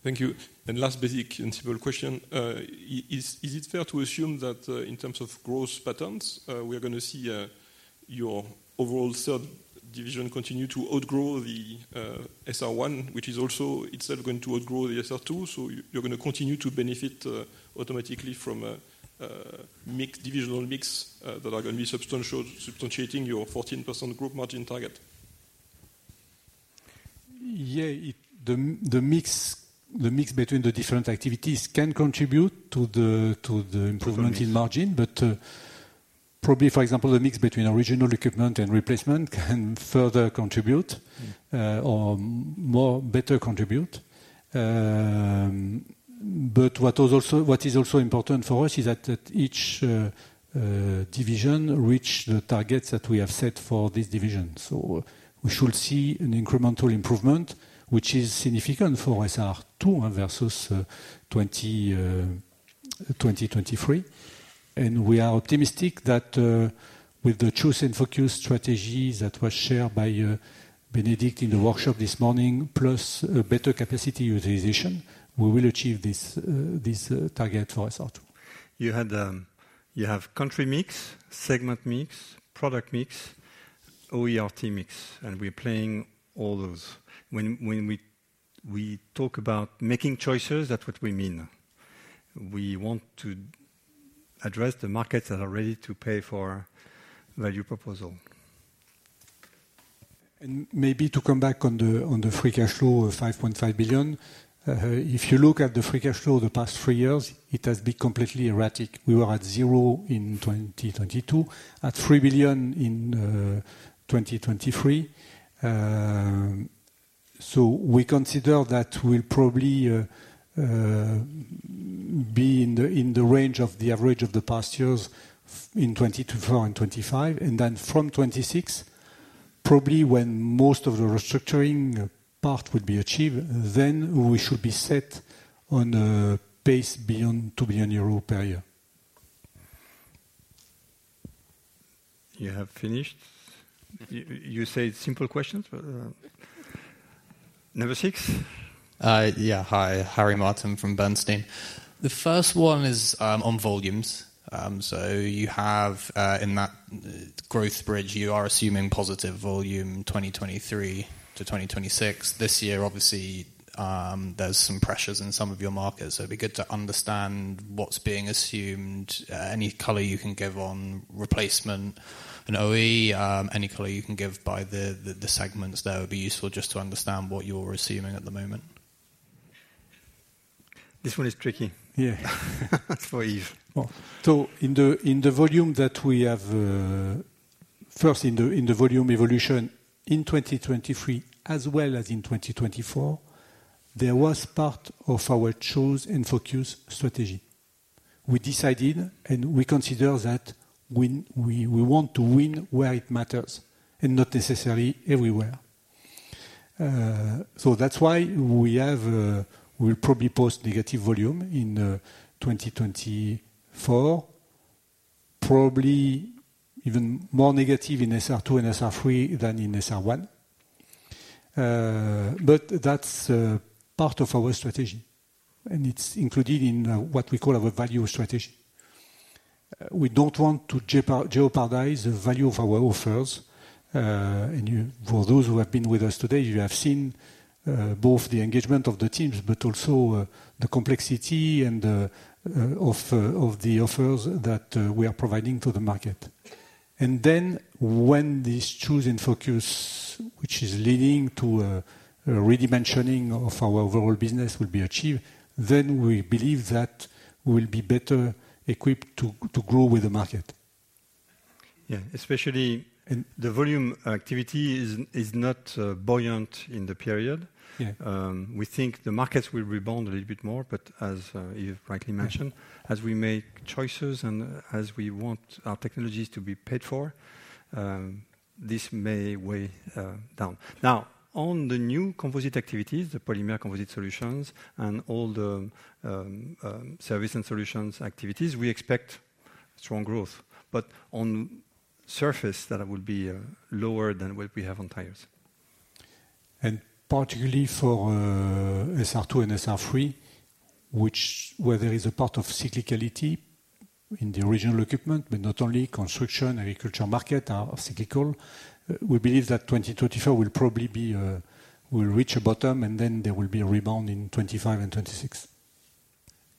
Speaker 5: Thank you. Last basic and simple question, is it fair to assume that, in terms of growth patterns, we are gonna see your overall third division continue to outgrow the SR1, which is also itself going to outgrow the SR2? So you're gonna continue to benefit automatically from a mix, divisional mix, that are gonna be substantial, substantiating your 14% group margin target?
Speaker 2: Yeah, the mix between the different activities can contribute to the-
Speaker 5: Mm-hmm...
Speaker 2: improvement in margin. But, probably, for example, the mix between Original Equipment and replacement can further contribute-
Speaker 5: Mm...
Speaker 2: or more better contribute. But what is also important for us is that each division reach the targets that we have set for this division. So we should see an incremental improvement, which is significant for SR2 versus 2023. And we are optimistic that with the choose and focus strategy that was shared by Bénédicte in the workshop this morning, plus a better capacity utilization, we will achieve this target for SR2.
Speaker 1: You had, you have country mix, segment mix, product mix, OE/RT mix, and we're playing all those. When we talk about making choices, that's what we mean. We want to address the markets that are ready to pay for value proposition.
Speaker 2: Maybe to come back on the free cash flow of EUR 5.5 billion. If you look at the free cash flow the past three years, it has been completely erratic. We were at 0 in 2022, at EUR 3 billion in 2023. So we consider that we'll probably be in the range of the average of the past years in 2024 and 2025. And then from 2026, probably when most of the restructuring part will be achieved, then we should be set on a pace beyond 2 billion euro per year.
Speaker 1: You have finished? You, you say simple questions, but, number six.
Speaker 6: Yeah. Hi, Harry Martin from Bernstein. The first one is on volumes. So you have in that growth bridge, you are assuming positive volume, 2023 to 2026. This year, obviously, there's some pressures in some of your markets, so it'd be good to understand what's being assumed. Any color you can give on replacement and OE, any color you can give by the segments there would be useful just to understand what you're assuming at the moment.
Speaker 1: This one is tricky.
Speaker 2: Yeah.
Speaker 1: It's for Yves.
Speaker 2: Oh, so in the volume that we have, first in the volume evolution in 2023 as well as in 2024, there was part of our choose and focus strategy. We decided, and we consider that we want to win where it matters and not necessarily everywhere. So that's why we have, we'll probably post negative volume in 2024, probably even more negative in SR2 and SR3 than in SR1. But that's part of our strategy, and it's included in what we call our value strategy. We don't want to jeopardize the value of our offers. And you, for those who have been with us today, you have seen both the engagement of the teams, but also the complexity and of the offers that we are providing to the market. And then when these choosing focus, which is leading to a redimensioning of our overall business, will be achieved, then we believe that we'll be better equipped to grow with the market.
Speaker 1: Yeah, especially in the volume activity is not buoyant in the period.
Speaker 2: Yeah.
Speaker 1: We think the markets will rebound a little bit more, but as you've rightly mentioned-
Speaker 2: Yeah...
Speaker 1: as we make choices and as we want our technologies to be paid for, this may weigh down. Now, on the new composite activities, the Polymer Composite Solutions and all the service and solutions activities, we expect strong growth. But on surface, that will be lower than what we have on tires.
Speaker 2: Particularly for SR2 and SR3, which where there is a part of cyclicality in the Original Equipment, but not only construction, agriculture market are cyclical. We believe that 2024 will probably be, will reach a bottom, and then there will be a rebound in 2025 and 2026.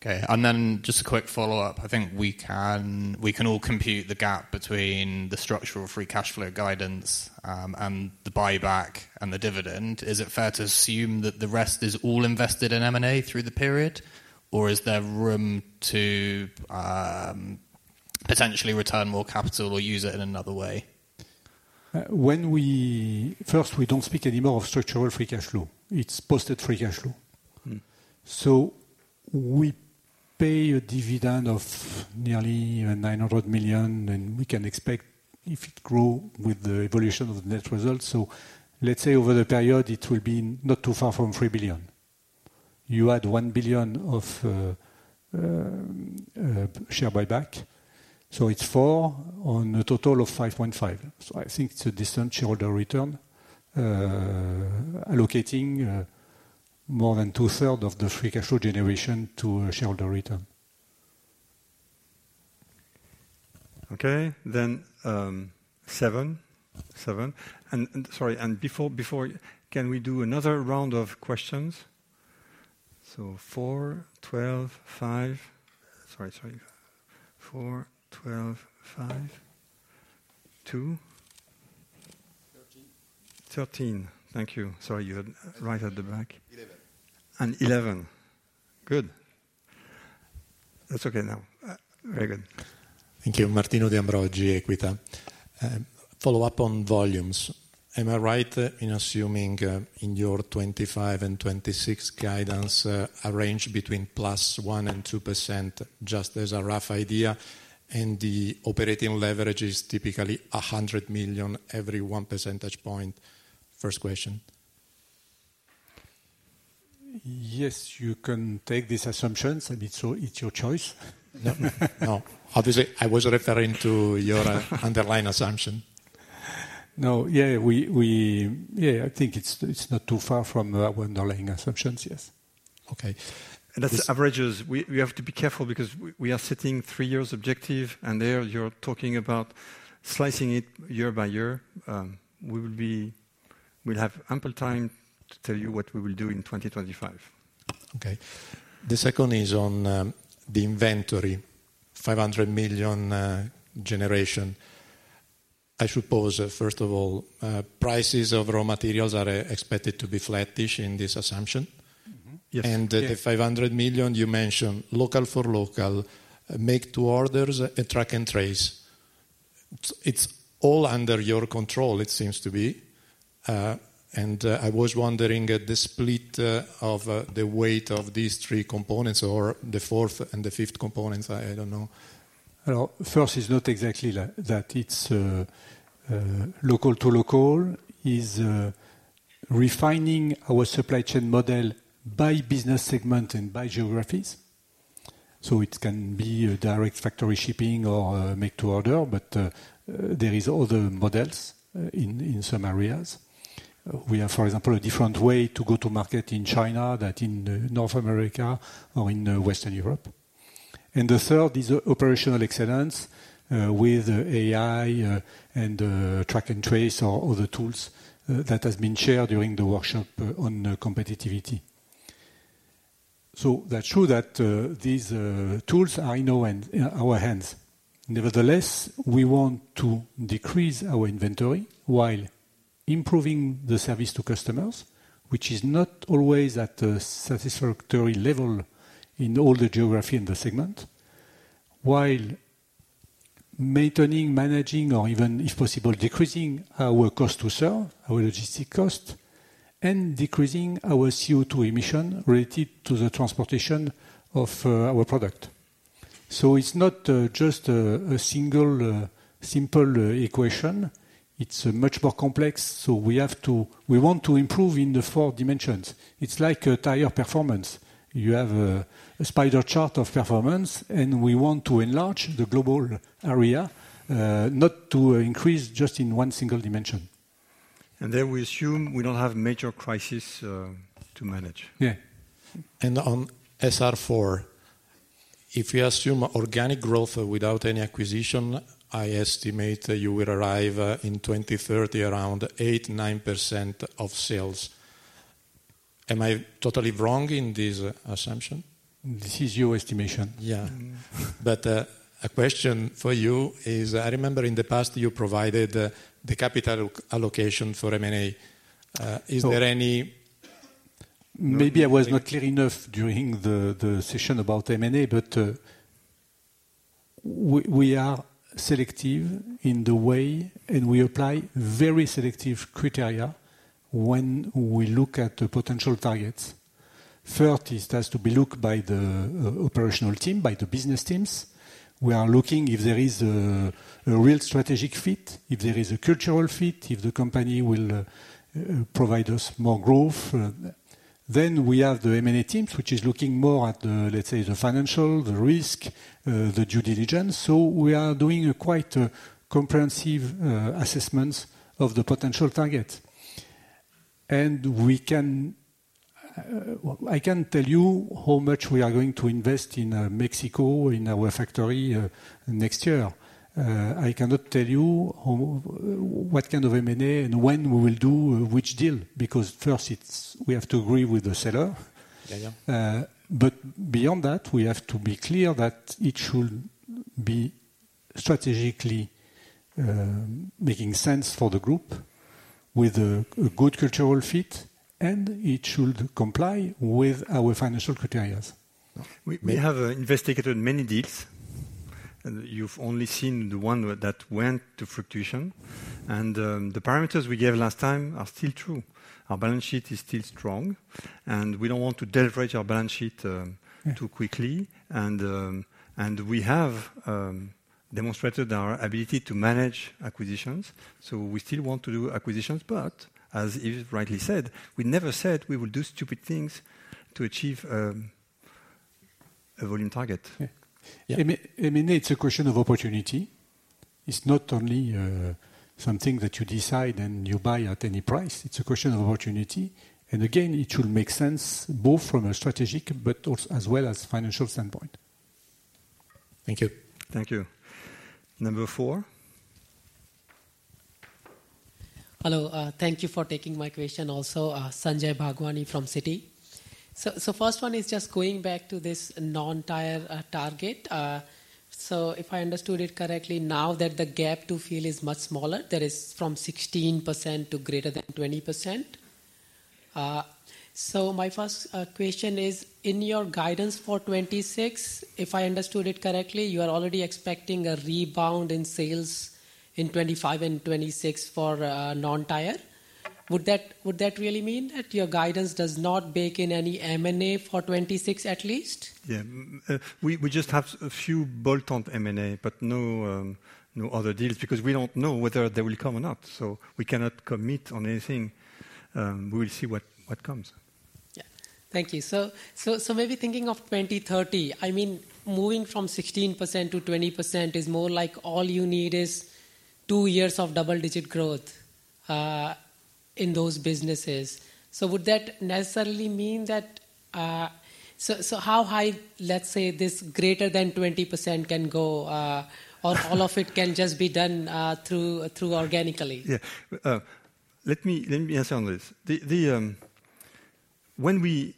Speaker 6: Okay, and then just a quick follow-up. I think we can, we can all compute the gap between the structural free cash flow guidance, and the buyback and the dividend. Is it fair to assume that the rest is all invested in M&A through the period, or is there room to, potentially return more capital or use it in another way?
Speaker 2: First, we don't speak anymore of structural free cash flow. It's posted free cash flow.
Speaker 6: Mm.
Speaker 2: So we pay a dividend of nearly 900 million, and we can expect if it grow with the evolution of the net results. So let's say over the period, it will be not too far from 3 billion. You add 1 billion of share buyback, so it's 4 billion on a total of 5.5 billion. So I think it's a decent Shareholder Return, allocating more than two-thirds of the free cash flow generation to a Shareholder Return.
Speaker 1: Okay, then 7, 7. And sorry, before, can we do another round of questions? So 4, 12, 5... Sorry. 4, 12, 5, 2-
Speaker 6: Thirteen.
Speaker 1: 13. Thank you. Sorry, you're right at the back.
Speaker 6: Eleven.
Speaker 1: And 11. Good. That's okay now. Very good.
Speaker 7: Thank you. Martino De Ambrogi, Equita. Follow up on volumes. Am I right in assuming, in your 25 and 26 guidance, a range between +1% and 2%, just as a rough idea, and the operating leverage is typically 100 million every 1 percentage point? First question.
Speaker 2: Yes, you can take these assumptions, and it's your choice.
Speaker 7: No, obviously, I was referring to your underlying assumption.
Speaker 2: No. Yeah, we, yeah, I think it's not too far from our underlying assumptions. Yes.
Speaker 7: Okay.
Speaker 1: That's averages. We have to be careful because we are setting three-year objective, and there you're talking about slicing it year by year. We'll have ample time to tell you what we will do in 2025.
Speaker 7: Okay. The second is on the inventory, 500 million generation. I suppose, first of all, prices of raw materials are expected to be flattish in this assumption?
Speaker 2: Mm-hmm. Yes.
Speaker 7: The 500 million you mentioned, local for local, make to orders, track and trace. It's all under your control, it seems to be. I was wondering the split of the weight of these three components or the fourth and the fifth components, I don't know.
Speaker 2: Well, first, it's not exactly like that. It's local to local is refining our supply chain model by business segment and by geographies. So it can be a direct factory shipping or make-to order, but there is other models in some areas. We have, for example, a different way to go to market in China than in North America or in Western Europe. And the third is operational excellence with AI and track and trace or other tools that has been shared during the workshop on competitiveness. So that's true that these tools are in our hand, in our hands. Nevertheless, we want to decrease our inventory while improving the service to customers, which is not always at a satisfactory level in all the geographies in the segment, while maintaining, managing, or even, if possible, decreasing our cost to serve, our logistics cost, and decreasing our CO2 emissions related to the transportation of our product. So it's not just a single simple equation. It's much more complex, so we have to. We want to improve in the four dimensions. It's like a tire performance. You have a spider chart of performance, and we want to enlarge the global area, not to increase just in one single dimension.... and then we assume we don't have major crisis to manage.
Speaker 1: Yeah.
Speaker 7: On SR4, if we assume organic growth without any acquisition, I estimate that you will arrive in 2030 around 8%-9% of sales. Am I totally wrong in this assumption?
Speaker 2: This is your estimation.
Speaker 7: Yeah. But a question for you is, I remember in the past, you provided the capital allocation for M&A. Is there any-
Speaker 2: Maybe I was not clear enough during the session about M&A, but we are selective in the way, and we apply very selective criteria when we look at the potential targets. First, it has to be looked by the operational team, by the business teams. We are looking if there is a real strategic fit, if there is a cultural fit, if the company will provide us more growth. Then we have the M&A team, which is looking more at the, let's say, the financial, the risk, the due diligence. So we are doing a quite comprehensive assessments of the potential target. And we can... I can tell you how much we are going to invest in Mexico, in our factory next year. I cannot tell you how, what kind of M&A and when we will do which deal, because first, it's we have to agree with the seller.
Speaker 7: Yeah, yeah.
Speaker 2: But beyond that, we have to be clear that it should be strategically making sense for the group with a good cultural fit, and it should comply with our financial criteria.
Speaker 1: We have investigated many deals, and you've only seen the one that went to fruition. The parameters we gave last time are still true. Our balance sheet is still strong, and we don't want to deleverage our balance sheet too quickly. We have demonstrated our ability to manage acquisitions, so we still want to do acquisitions. But as Yves rightly said, we never said we will do stupid things to achieve a volume target.
Speaker 2: Yeah.
Speaker 7: Yeah.
Speaker 2: M&A, it's a question of opportunity. It's not only something that you decide and you buy at any price. It's a question of opportunity. And again, it should make sense, both from a strategic but also as well as financial standpoint.
Speaker 7: Thank you.
Speaker 1: Thank you. Number four?
Speaker 8: Hello, thank you for taking my question also. Sanjay Bhagwani from Citi. So, first one is just going back to this non-tire target. So if I understood it correctly, now that the gap to fill is much smaller, that is from 16% to greater than 20%. So my first question is, in your guidance for 2026, if I understood it correctly, you are already expecting a rebound in sales in 2025 and 2026 for non-tire. Would that really mean that your guidance does not bake in any M&A for 2026, at least?
Speaker 2: Yeah. We just have a few bolt-on M&A, but no, no other deals, because we don't know whether they will come or not, so we cannot commit on anything. We will see what comes.
Speaker 8: Yeah. Thank you. So maybe thinking of 2030, I mean, moving from 16% to 20% is more like all you need is two years of double-digit growth in those businesses. So would that necessarily mean that... So how high, let's say, this greater than 20% can go, or all of it can just be done through organically?
Speaker 2: Yeah. Let me answer on this. The... When we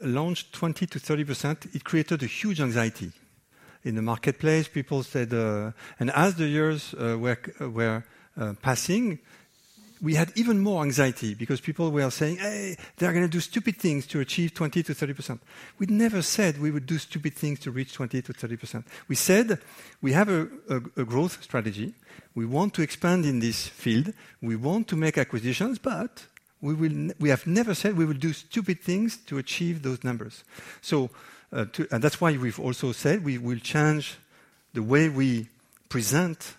Speaker 2: launched 20%-30%, it created a huge anxiety. In the marketplace, people said... And as the years were passing, we had even more anxiety because people were saying: "Hey, they're gonna do stupid things to achieve 20%-30%." We never said we would do stupid things to reach 20%-30%. We said, we have a growth strategy, we want to expand in this field, we want to make acquisitions, but we will—we have never said we will do stupid things to achieve those numbers. So, and that's why we've also said we will change the way we present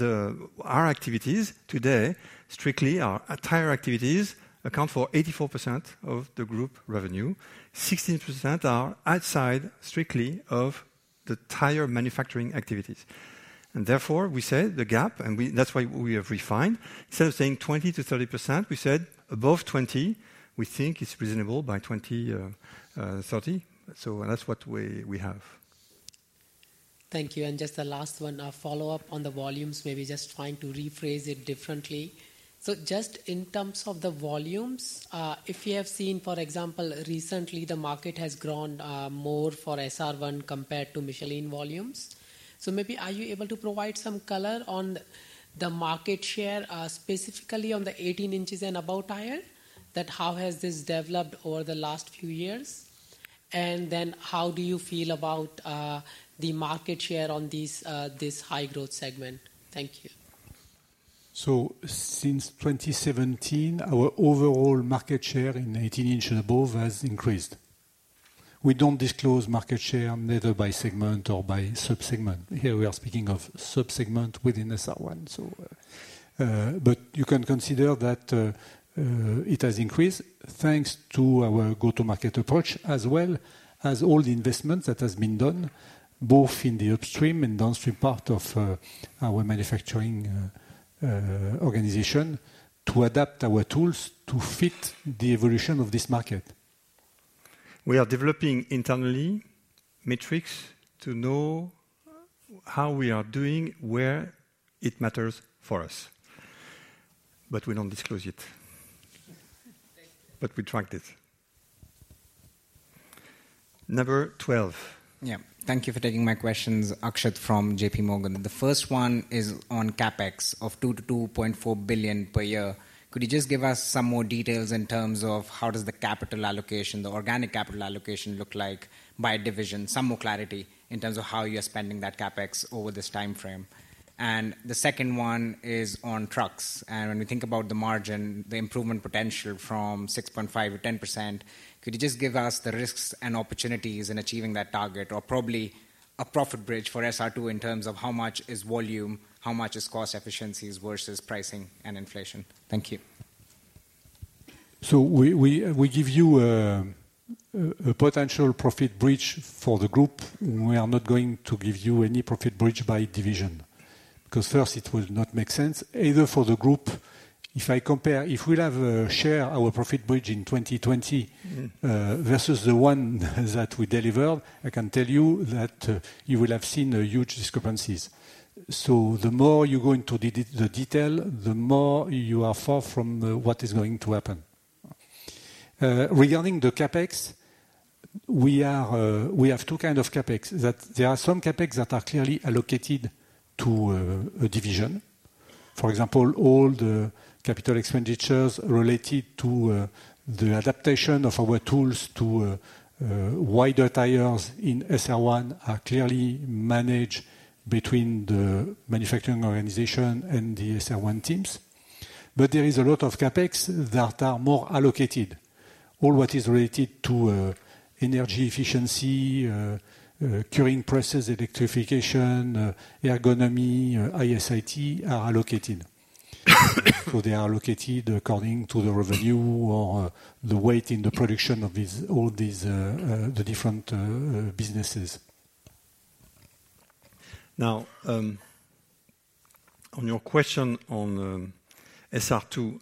Speaker 2: our activities. Today, strictly, our tire activities account for 84% of the group revenue. 16% are outside, strictly, of the tire manufacturing activities. Therefore, we said the gap, and that's why we have refined. Instead of saying 20%-30%, we said above 20, we think it's reasonable by 20, 30. That's what we have.
Speaker 8: Thank you, and just the last one, a follow-up on the volumes, maybe just trying to rephrase it differently. So just in terms of the volumes, if you have seen, for example, recently, the market has grown, more for SR1 compared to Michelin volumes. So maybe are you able to provide some color on the market share, specifically on the 18 inches and above tire, that how has this developed over the last few years? And then how do you feel about, the market share on this high-growth segment? Thank you.
Speaker 2: Since 2017, our overall market share in 18-inch and above has increased. We don't disclose market share, neither by segment or by sub-segment. Here, we are speaking of sub-segment within SR1, so, but you can consider that, it has increased, thanks to our go-to-market approach, as well as all the investment that has been done, both in the upstream and downstream part of, our manufacturing, organization, to adapt our tools to fit the evolution of this market. We are developing internally metrics to know how we are doing, where it matters for us. But we don't disclose it. Thank you. We track it. Number 12.
Speaker 9: Yeah. Thank you for taking my questions. Akshat from J.P. Morgan. The first one is on CapEx of 2-2.4 billion per year. Could you just give us some more details in terms of how does the capital allocation, the organic capital allocation look like by division? Some more clarity in terms of how you're spending that CapEx over this timeframe. And the second one is on trucks, and when we think about the margin, the improvement potential from 6.5%-10%, could you just give us the risks and opportunities in achieving that target, or probably a profit bridge for SR2 in terms of how much is volume, how much is cost efficiencies versus pricing and inflation? Thank you.
Speaker 2: So we give you a potential profit bridge for the group. We are not going to give you any profit bridge by division, because first, it would not make sense either for the group. If I compare—if we'll have share our profit bridge in 2020 versus the one that we delivered, I can tell you that you will have seen huge discrepancies. So the more you go into the detail, the more you are far from what is going to happen. Regarding the CapEx, we have two kind of CapEx, that there are some CapEx that are clearly allocated to a division. For example, all the capital expenditures related to the adaptation of our tools to wider tires in SR1 are clearly managed between the manufacturing organization and the SR1 teams. But there is a lot of CapEx that are more allocated. All what is related to, energy efficiency, curing process, electrification, ergonomics, IS/IT are allocated. So they are allocated according to the revenue or the weight in the production of these, all these, the different, businesses. Now, on your question on, SR2,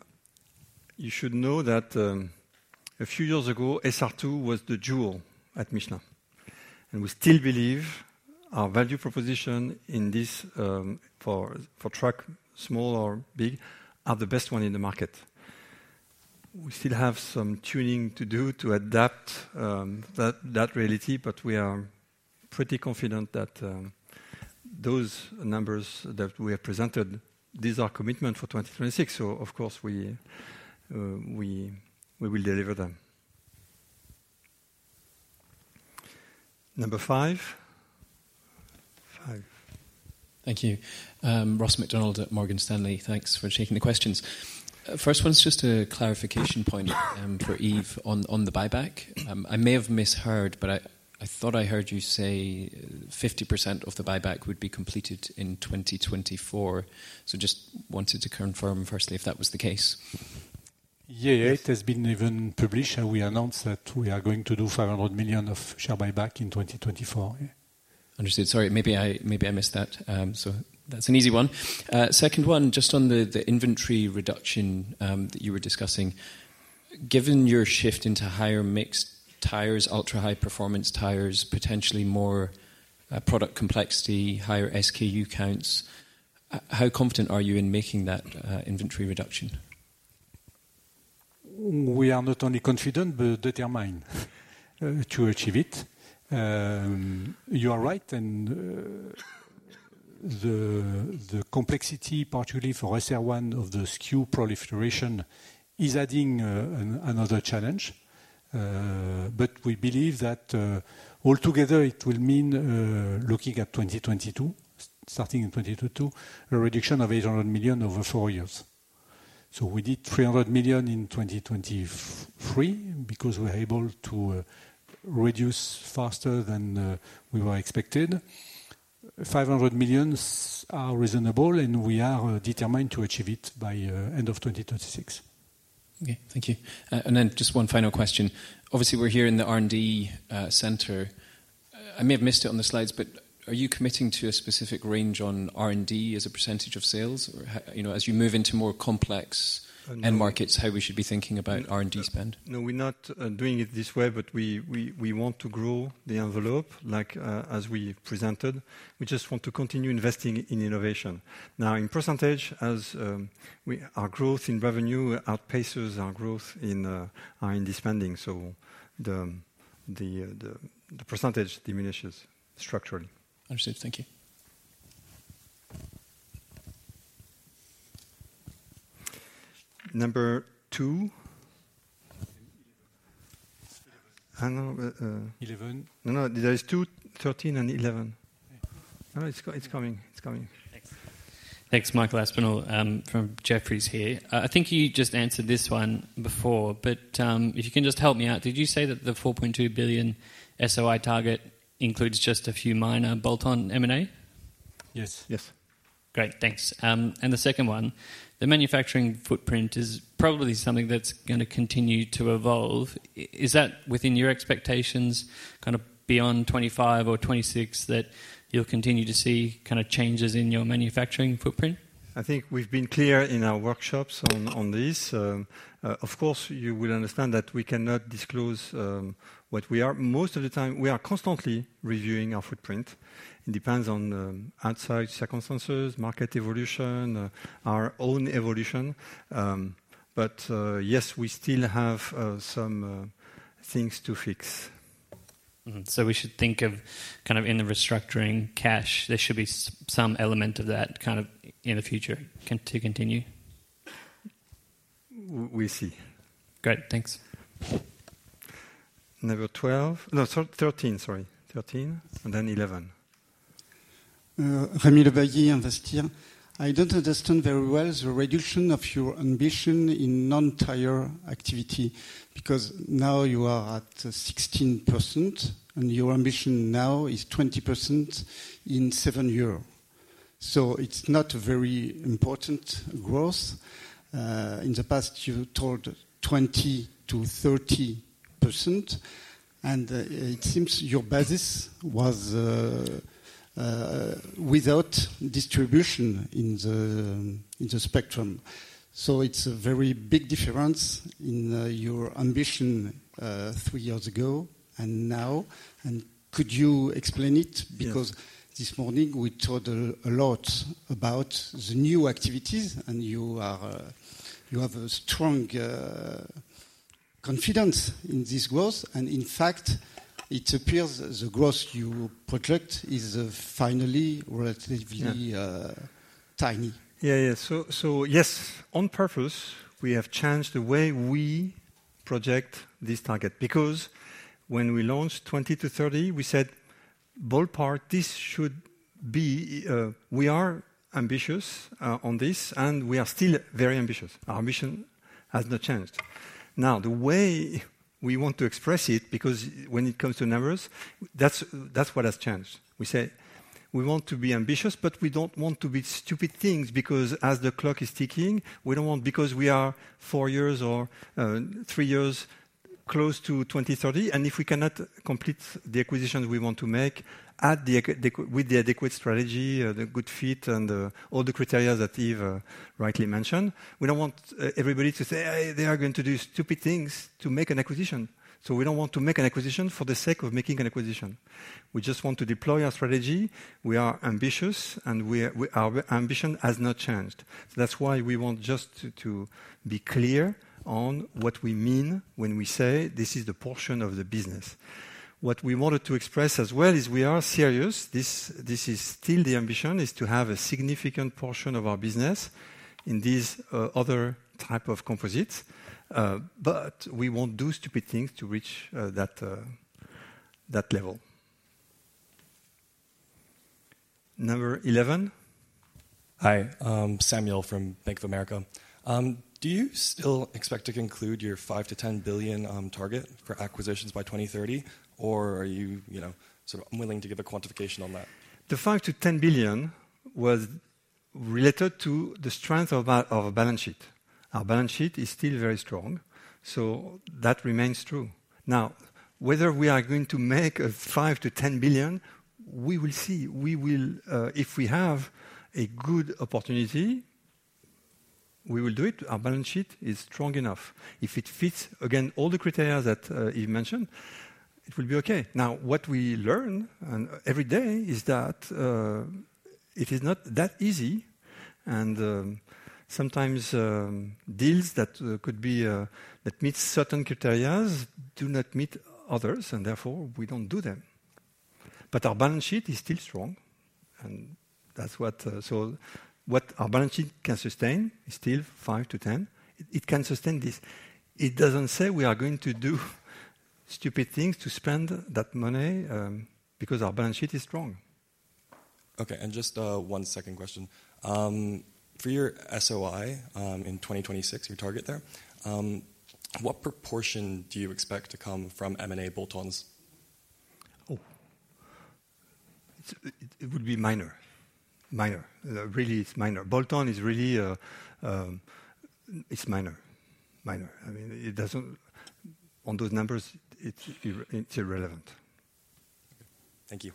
Speaker 2: you should know that, a few years ago, SR2 was the jewel at Michelin, and we still believe our value proposition in this, for, for truck, small or big, are the best one in the market. We still have some tuning to do to adapt, that, that reality, but we are pretty confident that, those numbers that we have presented, these are commitment for 2026. So of course, we, we, we will deliver them. Number 5? 5.
Speaker 10: Thank you. Ross MacDonald at Morgan Stanley. Thanks for taking the questions. First one is just a clarification point, for Yves on the buyback. I may have misheard, but I thought I heard you say 50% of the buyback would be completed in 2024. So just wanted to confirm firstly if that was the case.
Speaker 2: Yeah, it has been even published, and we announced that we are going to do 500 million of share buyback in 2024, yeah.
Speaker 10: Understood. Sorry, maybe I missed that. So that's an easy one. Second one, just on the inventory reduction that you were discussing. Given your shift into higher mixed tires, ultra-high performance tires, potentially more product complexity, higher SKU counts, how confident are you in making that inventory reduction?
Speaker 2: We are not only confident but determined to achieve it. You are right, and the complexity, particularly for SR1 of the SKU proliferation, is adding another challenge. But we believe that altogether it will mean, looking at 2022, starting in 2022, a reduction of 800 million over four years. So we did 300 million in 2023 because we were able to reduce faster than we were expected. 500 million are reasonable, and we are determined to achieve it by end of 2036.
Speaker 10: Okay, thank you. And then just one final question. Obviously, we're here in the R&D center. I may have missed it on the slides, but are you committing to a specific range on R&D as a percentage of sales? Or how... You know, as you move into more complex end markets, how we should be thinking about R&D spend?
Speaker 2: No, we're not doing it this way, but we want to grow the envelope like as we presented. We just want to continue investing in innovation. Now, in percentage, as our growth in revenue outpaces our growth in our R&D spending, so the percentage diminishes structurally.
Speaker 10: Understood. Thank you.
Speaker 2: Number two? Eleven. I know, but, Eleven. No, no, there is 2, 13 and 11. No, it's coming. It's coming.
Speaker 11: Thanks. Thanks. Michael Aspinall from Jefferies here. I think you just answered this one before, but if you can just help me out, did you say that the 4.2 billion SOI target includes just a few minor bolt-on M&A?
Speaker 2: Yes. Yes....
Speaker 11: Great, thanks. The second one, the manufacturing footprint is probably something that's gonna continue to evolve. Is that within your expectations, kind of beyond 2025 or 2026, that you'll continue to see kind of changes in your manufacturing footprint?
Speaker 1: I think we've been clear in our workshops on, on this. Of course, you will understand that we cannot disclose what we are... Most of the time, we are constantly reviewing our footprint. It depends on outside circumstances, market evolution, our own evolution. But yes, we still have some things to fix.
Speaker 11: Mm-hmm. So we should think of kind of in the restructuring cash, there should be some element of that kind of in the future, to continue?
Speaker 1: We'll see.
Speaker 11: Great, thanks.
Speaker 1: Number 12... No, 13, sorry. 13 and then 11.
Speaker 12: Rémi Le Bailly, Investir. I don't understand very well the reduction of your ambition in non-tire activity, because now you are at 16%, and your ambition now is 20% in 7 year. It's not a very important growth. In the past, you told 20%-30%, and it seems your basis was without distribution in the spectrum. It's a very big difference in your ambition 3 years ago and now, and could you explain it?
Speaker 1: Yeah.
Speaker 12: Because this morning we talked a lot about the new activities, and you are, you have a strong, confidence in this growth, and in fact, it appears the growth you project is, finally relatively-
Speaker 1: Yeah...
Speaker 12: tiny.
Speaker 1: Yeah, yeah. So, yes, on purpose, we have changed the way we project this target because when we launched 20-30, we said, ballpark, this should be. We are ambitious on this, and we are still very ambitious. Our ambition has not changed. Now, the way we want to express it, because when it comes to numbers, that's what has changed. We say we want to be ambitious, but we don't want to be stupid things, because as the clock is ticking, we don't want—because we are 4 years or 3 years close to 2030, and if we cannot complete the acquisitions we want to make with the adequate strategy, the good fit and all the criteria that Yves rightly mentioned, we don't want everybody to say, "Hey, they are going to do stupid things to make an acquisition." So we don't want to make an acquisition for the sake of making an acquisition. We just want to deploy our strategy. We are ambitious, and we are, we... Our ambition has not changed. That's why we want just to be clear on what we mean when we say this is the portion of the business. What we wanted to express as well is we are serious. This, this is still the ambition, is to have a significant portion of our business in these, other type of composites, but we won't do stupid things to reach, that, that level. Number 11?
Speaker 13: Hi, I'm Samuel from Bank of America. Do you still expect to conclude your 5 billion-10 billion target for acquisitions by 2030, or are you, you know, sort of unwilling to give a quantification on that?
Speaker 1: The 5 billion-10 billion was related to the strength of our, of our balance sheet. Our balance sheet is still very strong, so that remains true. Now, whether we are going to make a 5 billion-10 billion, we will see. We will, if we have a good opportunity, we will do it. Our balance sheet is strong enough. If it fits, again, all the criteria that, Yves mentioned, it will be okay. Now, what we learn, and every day, is that, it is not that easy, and, sometimes, deals that, could be, that meet certain criteria do not meet others, and therefore, we don't do them. But our balance sheet is still strong, and that's what... So what our balance sheet can sustain is still 5 billion-10 billion. It, it can sustain this. It doesn't say we are going to do stupid things to spend that money, because our balance sheet is strong.
Speaker 13: Okay, and just one second question. For your SOI, in 2026, your target there, what proportion do you expect to come from M&A bolt-ons?
Speaker 1: Oh, it would be minor. Minor. Really, it's minor. Bolt-on is really, it's minor, minor. I mean, it doesn't... On those numbers, it's irrelevant.
Speaker 13: Thank you.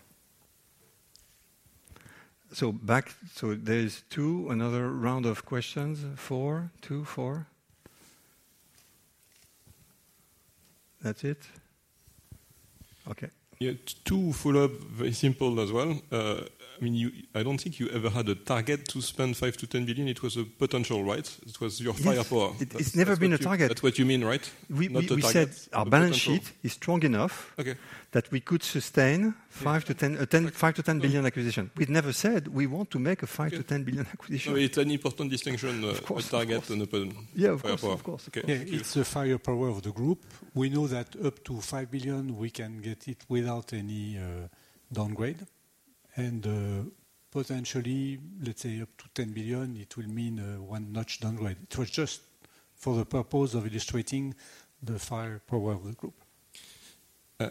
Speaker 1: So back, so there's 2, another round of questions. 4, 2, 4? That's it? Okay.
Speaker 13: Yeah, two follow-up, very simple as well. I mean, you—I don't think you ever had a target to spend 5 billion-10 billion. It was a potential, right? It was your firepower.
Speaker 1: Yes, it's never been a target.
Speaker 13: That's what you mean, right?
Speaker 1: We, we-
Speaker 13: Not a target-...
Speaker 1: we said our balance sheet-
Speaker 13: But potential...
Speaker 1: is strong enough-
Speaker 13: Okay...
Speaker 1: that we could sustain-
Speaker 13: Yeah...
Speaker 1: 5-10 billion acquisition. We never said we want to make a 5-10 billion acquisition.
Speaker 13: No, it's an important distinction.
Speaker 1: Of course, of course....
Speaker 13: the target and open-
Speaker 1: Yeah, of course....
Speaker 13: firepower.
Speaker 1: Of course.
Speaker 13: Okay.
Speaker 2: Yeah, it's the firepower of the group. We know that up to 5 billion, we can get it without any downgrade, and potentially, let's say up to 10 billion, it will mean one notch downgrade. It was just for the purpose of illustrating the firepower of the group. ...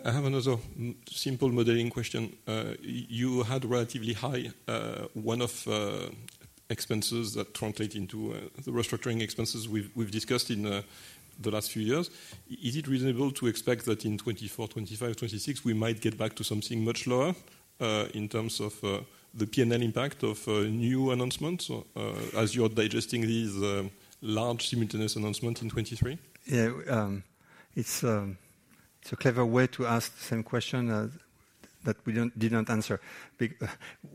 Speaker 13: I have another simple modeling question. You had relatively high one-off expenses that translate into the restructuring expenses we've discussed in the last few years. Is it reasonable to expect that in 2024, 2025, 2026, we might get back to something much lower in terms of the P&L impact of new announcements or as you're digesting these large simultaneous announcements in 2023?
Speaker 2: Yeah, it's a clever way to ask the same question that we did not answer.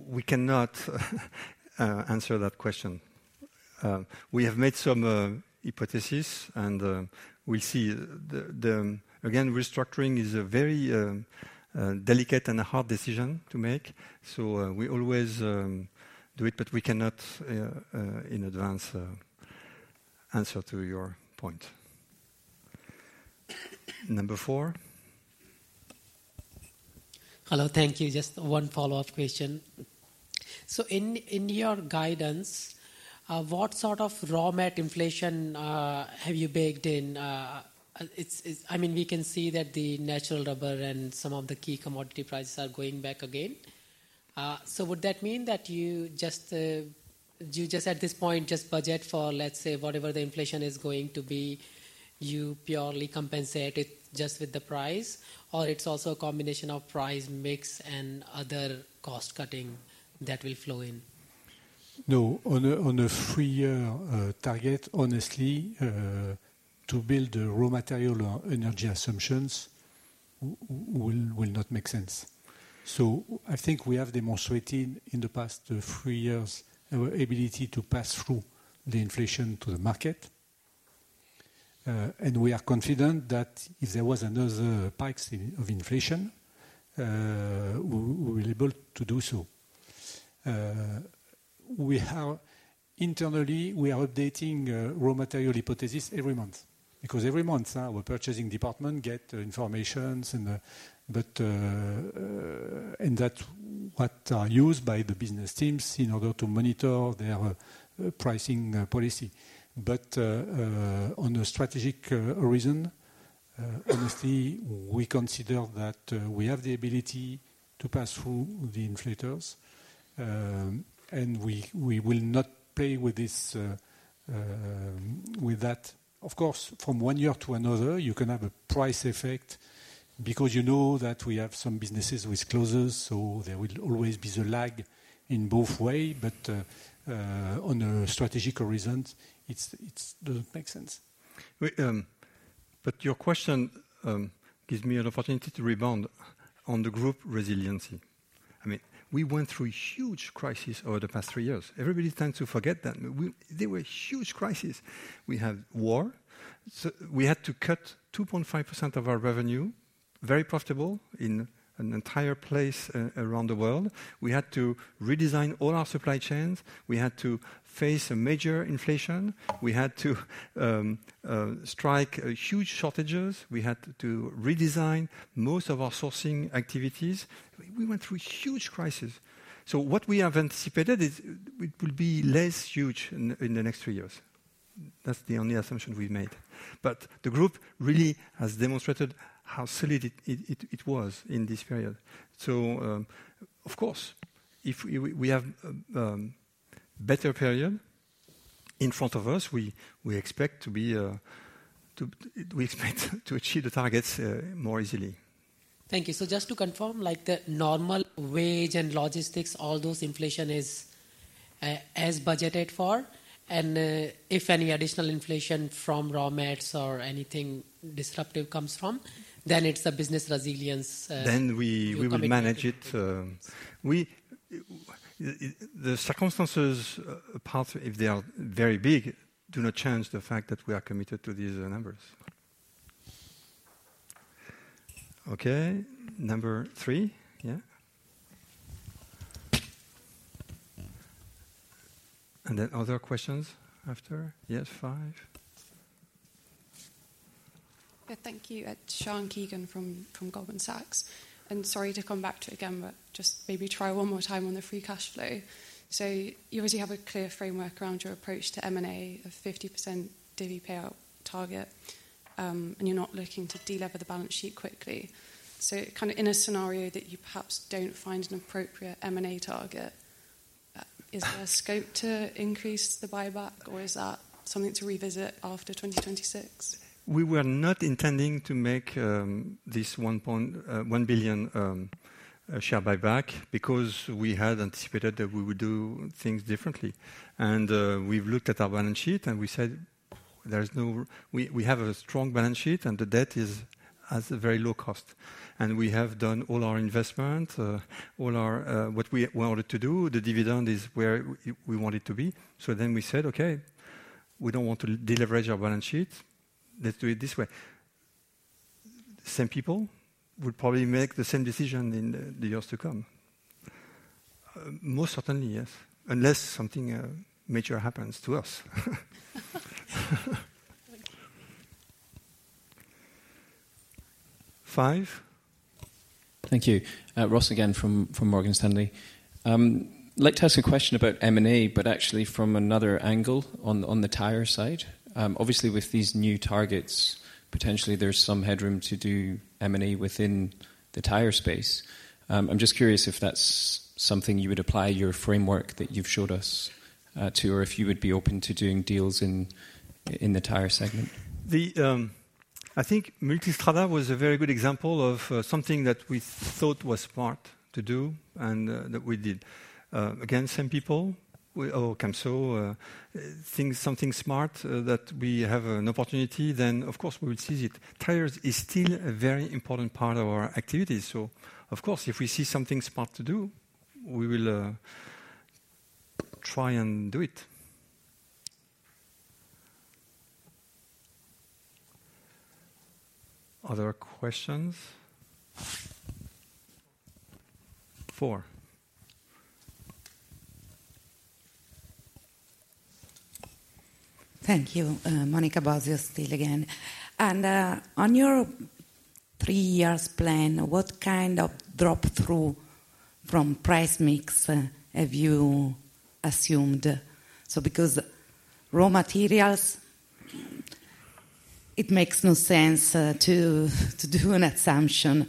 Speaker 2: We cannot answer that question. We have made some hypothesis, and we'll see. Again, the restructuring is a very delicate and a hard decision to make, so we always do it, but we cannot in advance answer to your point. Number four?
Speaker 8: Hello, thank you. Just one follow-up question. So in your guidance, what sort of raw mat inflation have you baked in? It's... I mean, we can see that the natural rubber and some of the key commodity prices are going back again. So would that mean that you just, at this point, just budget for, let's say, whatever the inflation is going to be, you purely compensate it just with the price? Or it's also a combination of price, mix, and other cost cutting that will flow in?
Speaker 2: No. On a three-year target, honestly, to build the raw material or energy assumptions will not make sense. So I think we have demonstrated in the past three years our ability to pass through the inflation to the market. And we are confident that if there was another spikes in of inflation, we, we're able to do so. We have. Internally, we are updating raw material hypothesis every month, because every month our purchasing department get informations and, but, and that what are used by the business teams in order to monitor their pricing policy. But on a strategic reason, honestly, we consider that we have the ability to pass through the inflation, and we, we will not pay with this with that. Of course, from one year to another, you can have a price effect because you know that we have some businesses with closures, so there will always be the lag in both way. But on a strategic reasons, it's doesn't make sense. But your question gives me an opportunity to rebound on the group resiliency. I mean, we went through huge crisis over the past three years. Everybody tends to forget that. There were huge crisis. We had war, so we had to cut 2.5% of our revenue, very profitable in an entire place around the world. We had to redesign all our supply chains. We had to face a major inflation. We had to strike huge shortages. We had to redesign most of our sourcing activities. We went through huge crisis. So what we have anticipated is it will be less huge in the next three years. That's the only assumption we've made. But the group really has demonstrated how solid it was in this period. So, of course, if we have a better period in front of us, we expect to achieve the targets more easily.
Speaker 8: Thank you. So just to confirm, like the normal wage and logistics, all those inflation is, as budgeted for, and, if any additional inflation from raw mats or anything disruptive comes from, then it's a business resilience,
Speaker 2: Then we-
Speaker 8: You are committing...
Speaker 2: we will manage it. The circumstances, apart if they are very big, do not change the fact that we are committed to these numbers. Okay, number three? Yeah. And then other questions after? Yes, five.
Speaker 14: Thank you. It's Sian Keegan from Goldman Sachs, and sorry to come back to it again, but just maybe try one more time on the free cash flow. So you obviously have a clear framework around your approach to M&A of 50% divvy payout target, and you're not looking to delever the balance sheet quickly. So kind of in a scenario that you perhaps don't find an appropriate M&A target, is there scope to increase the buyback, or is that something to revisit after 2026?
Speaker 2: We were not intending to make this 1.1 billion share buyback because we had anticipated that we would do things differently. We've looked at our balance sheet, and we said, "There is no..." We have a strong balance sheet, and the debt is at a very low cost. We have done all our investment, all our... What we wanted to do, the dividend is where we want it to be. So then we said, "Okay, we don't want to deleverage our balance sheet. Let's do it this way." Same people would probably make the same decision in the years to come. Most certainly, yes, unless something major happens to us. Five?
Speaker 10: ...Thank you. Ross again from, from Morgan Stanley. I'd like to ask a question about M&A, but actually from another angle on, on the tire side. Obviously, with these new targets, potentially there's some headroom to do M&A within the tire space. I'm just curious if that's something you would apply your framework that you've showed us, to, or if you would be open to doing deals in, in the tire segment?
Speaker 1: I think Multistrada was a very good example of something that we thought was smart to do, and that we did. Again, some people or Camso think something smart that we have an opportunity, then of course we will seize it. Tires is still a very important part of our activity, so of course, if we see something smart to do, we will try and do it. Other questions? Four.
Speaker 3: Thank you. Monica Bosio, still again. On your three-year plan, what kind of drop-through from price mix have you assumed? Because raw materials, it makes no sense to do an assumption.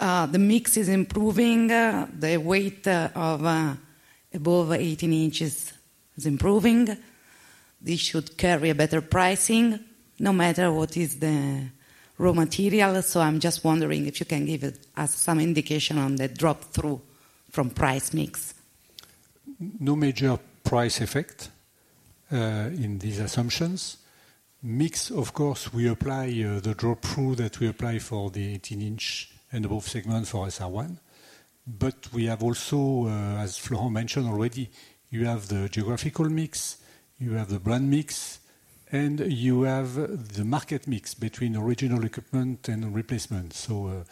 Speaker 3: The mix is improving, the weight of above 18 inches is improving. This should carry a better pricing, no matter what is the raw material. I'm just wondering if you can give us some indication on the drop-through from price mix.
Speaker 2: No major price effect in these assumptions. Mix, of course, we apply the drop-through that we apply for the 18-inch and above segment for SR1. But we have also, as Florent mentioned already, you have the geographical mix, you have the brand mix, and you have the market mix between original equipment and replacement. So,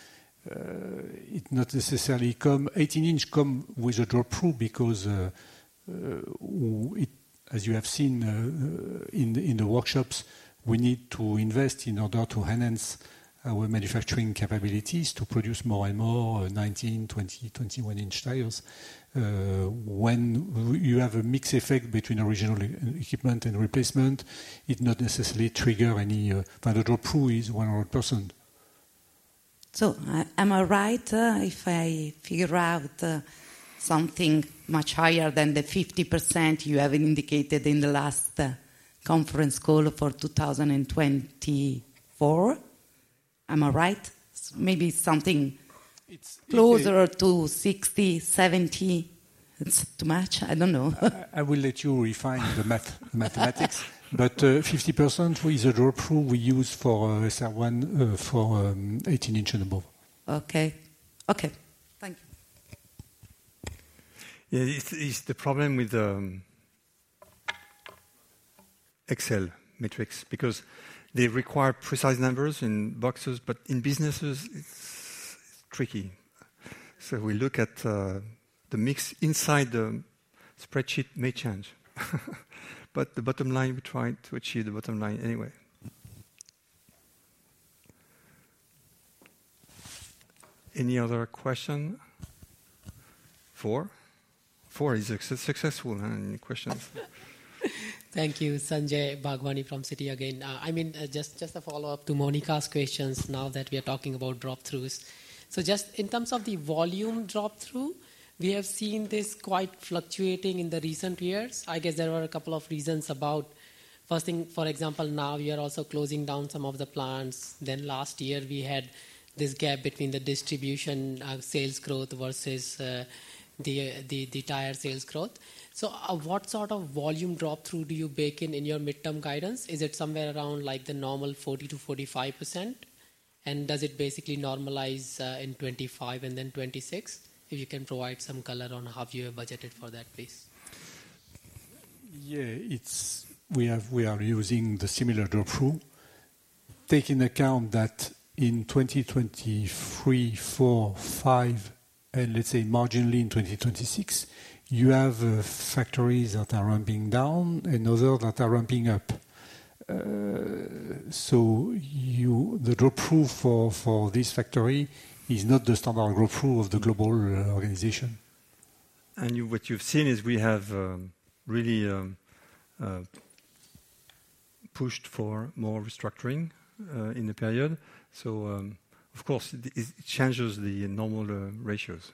Speaker 2: it not necessarily eighteen inch come with a drop-through because, it... As you have seen in the workshops, we need to invest in order to enhance our manufacturing capabilities to produce more and more 19-, 20-, 21-inch tires. When you have a mix effect between original equipment and replacement, it not necessarily trigger any, but the drop-through is 100%.
Speaker 3: So am I right if I figure out, something much higher than the 50% you have indicated in the last, conference call for 2024? Am I right? Maybe something-
Speaker 2: It's-
Speaker 3: Closer to 60, 70. It's too much? I don't know.
Speaker 2: I will let you refine the math, mathematics. But, 50% is a drop-through we use for SR1, for 18-inch and above.
Speaker 3: Okay. Okay, thank you.
Speaker 1: Yeah, it's the problem with the Excel matrix, because they require precise numbers and boxes, but in businesses, it's tricky. So we look at the mix inside the spreadsheet may change, but the bottom line, we try to achieve the bottom line anyway. Any other question? Four. Four is successful, huh? Any questions?
Speaker 8: Thank you. Sanjay Bhagwani from Citi again. I mean, just, just a follow-up to Monica's questions now that we are talking about drop-throughs. So just in terms of the volume drop-through, we have seen this quite fluctuating in the recent years. I guess there were a couple of reasons about, first thing, for example, now you are also closing down some of the plants. Then last year, we had this gap between the distribution of sales growth versus the tire sales growth. So, what sort of volume drop-through do you bake in in your midterm guidance? Is it somewhere around like the normal 40%-45%? And does it basically normalize in 2025 and then 2026? If you can provide some color on how you have budgeted for that, please.
Speaker 2: Yeah, it's... We are using the similar drop-through. Take into account that in 2023, 2024, 2025, and let's say marginally in 2026, you have factories that are ramping down and others that are ramping up. So you-- the drop-through for this factory is not the standard drop-through of the global organization.
Speaker 1: And you—what you've seen is we have really pushed for more restructuring in the period. So, of course, it, it changes the normal ratios.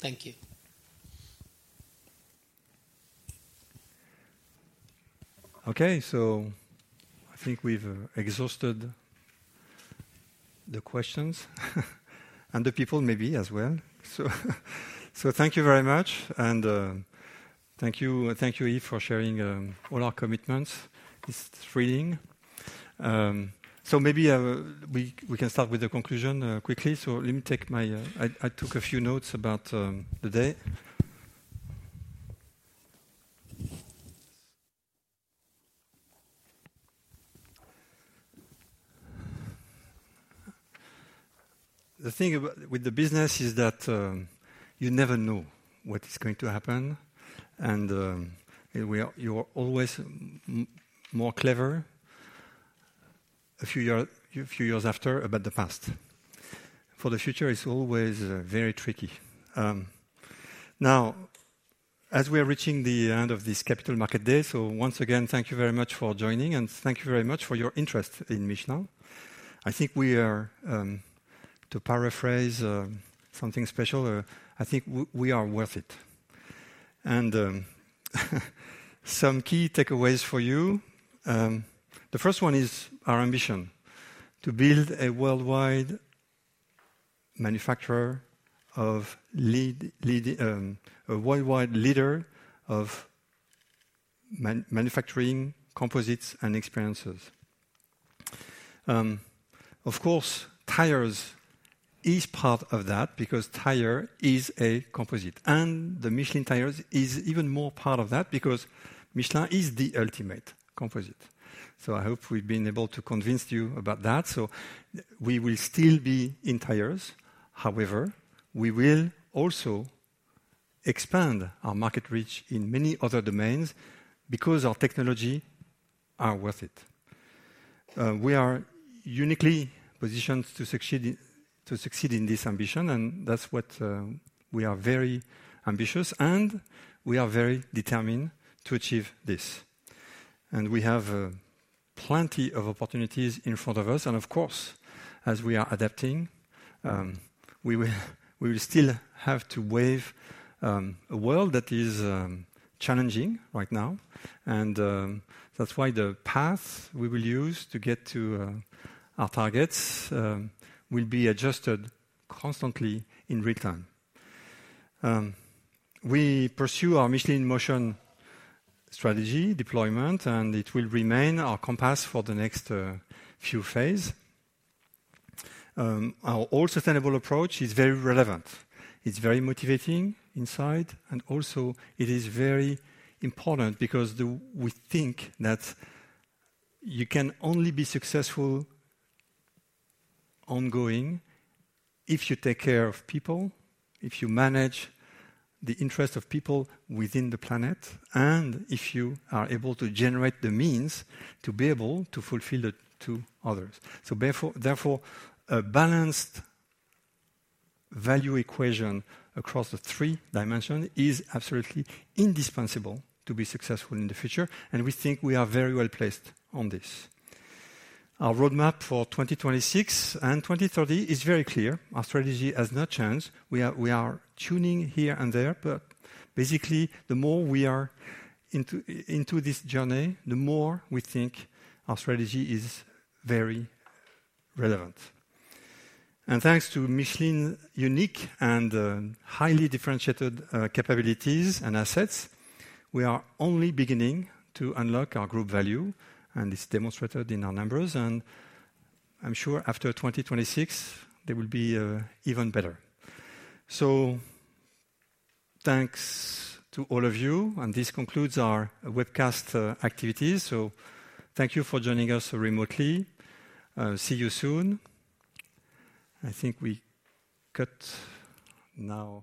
Speaker 8: Thank you.
Speaker 1: Okay, so I think we've exhausted the questions, and the people maybe as well. So thank you very much, and thank you, Yves, for sharing all our commitments. It's thrilling. So maybe we can start with the conclusion quickly. So let me take my... I took a few notes about the day. The thing about the business is that you never know what is going to happen, and you are always more clever a few years after about the past. For the future, it's always very tricky. Now, as we are reaching the end of this Capital Market Day, so once again, thank you very much for joining, and thank you very much for your interest in Michelin. I think we are to paraphrase something special. I think we are worth it. And some key takeaways for you. The first one is our ambition: to build a worldwide leader of manufacturing composites and experiences. Of course, tires is part of that because tire is a composite, and the Michelin tires is even more part of that because Michelin is the ultimate composite. So I hope we've been able to convince you about that. So, we will still be in tires. However, we will also expand our market reach in many other domains because our technology are worth it. We are uniquely positioned to succeed in this ambition, and that's what we are very ambitious, and we are very determined to achieve this. We have plenty of opportunities in front of us, and of course, as we are adapting, we will still have to navigate a world that is challenging right now, and that's why the path we will use to get to our targets will be adjusted constantly in real time. We pursue our Michelin in Motion strategy deployment, and it will remain our compass for the next few phases. Our All Sustainable approach is very relevant. It's very motivating inside, and also it is very important because the, we think that you can only be successful ongoing if you take care of people, if you manage the interest of people within the planet, and if you are able to generate the means to be able to fulfill the two others. So therefore, a balanced value equation across the three dimensions is absolutely indispensable to be successful in the future, and we think we are very well-placed on this. Our roadmap for 2026 and 2030 is very clear. Our strategy has not changed. We are tuning here and there, but basically, the more we are into this journey, the more we think our strategy is very relevant. And thanks to Michelin unique and highly differentiated capabilities and assets, we are only beginning to unlock our group value, and it's demonstrated in our numbers, and I'm sure after 2026, they will be even better. So, thanks to all of you, and this concludes our webcast activities. So thank you for joining us remotely. See you soon. I think we cut now.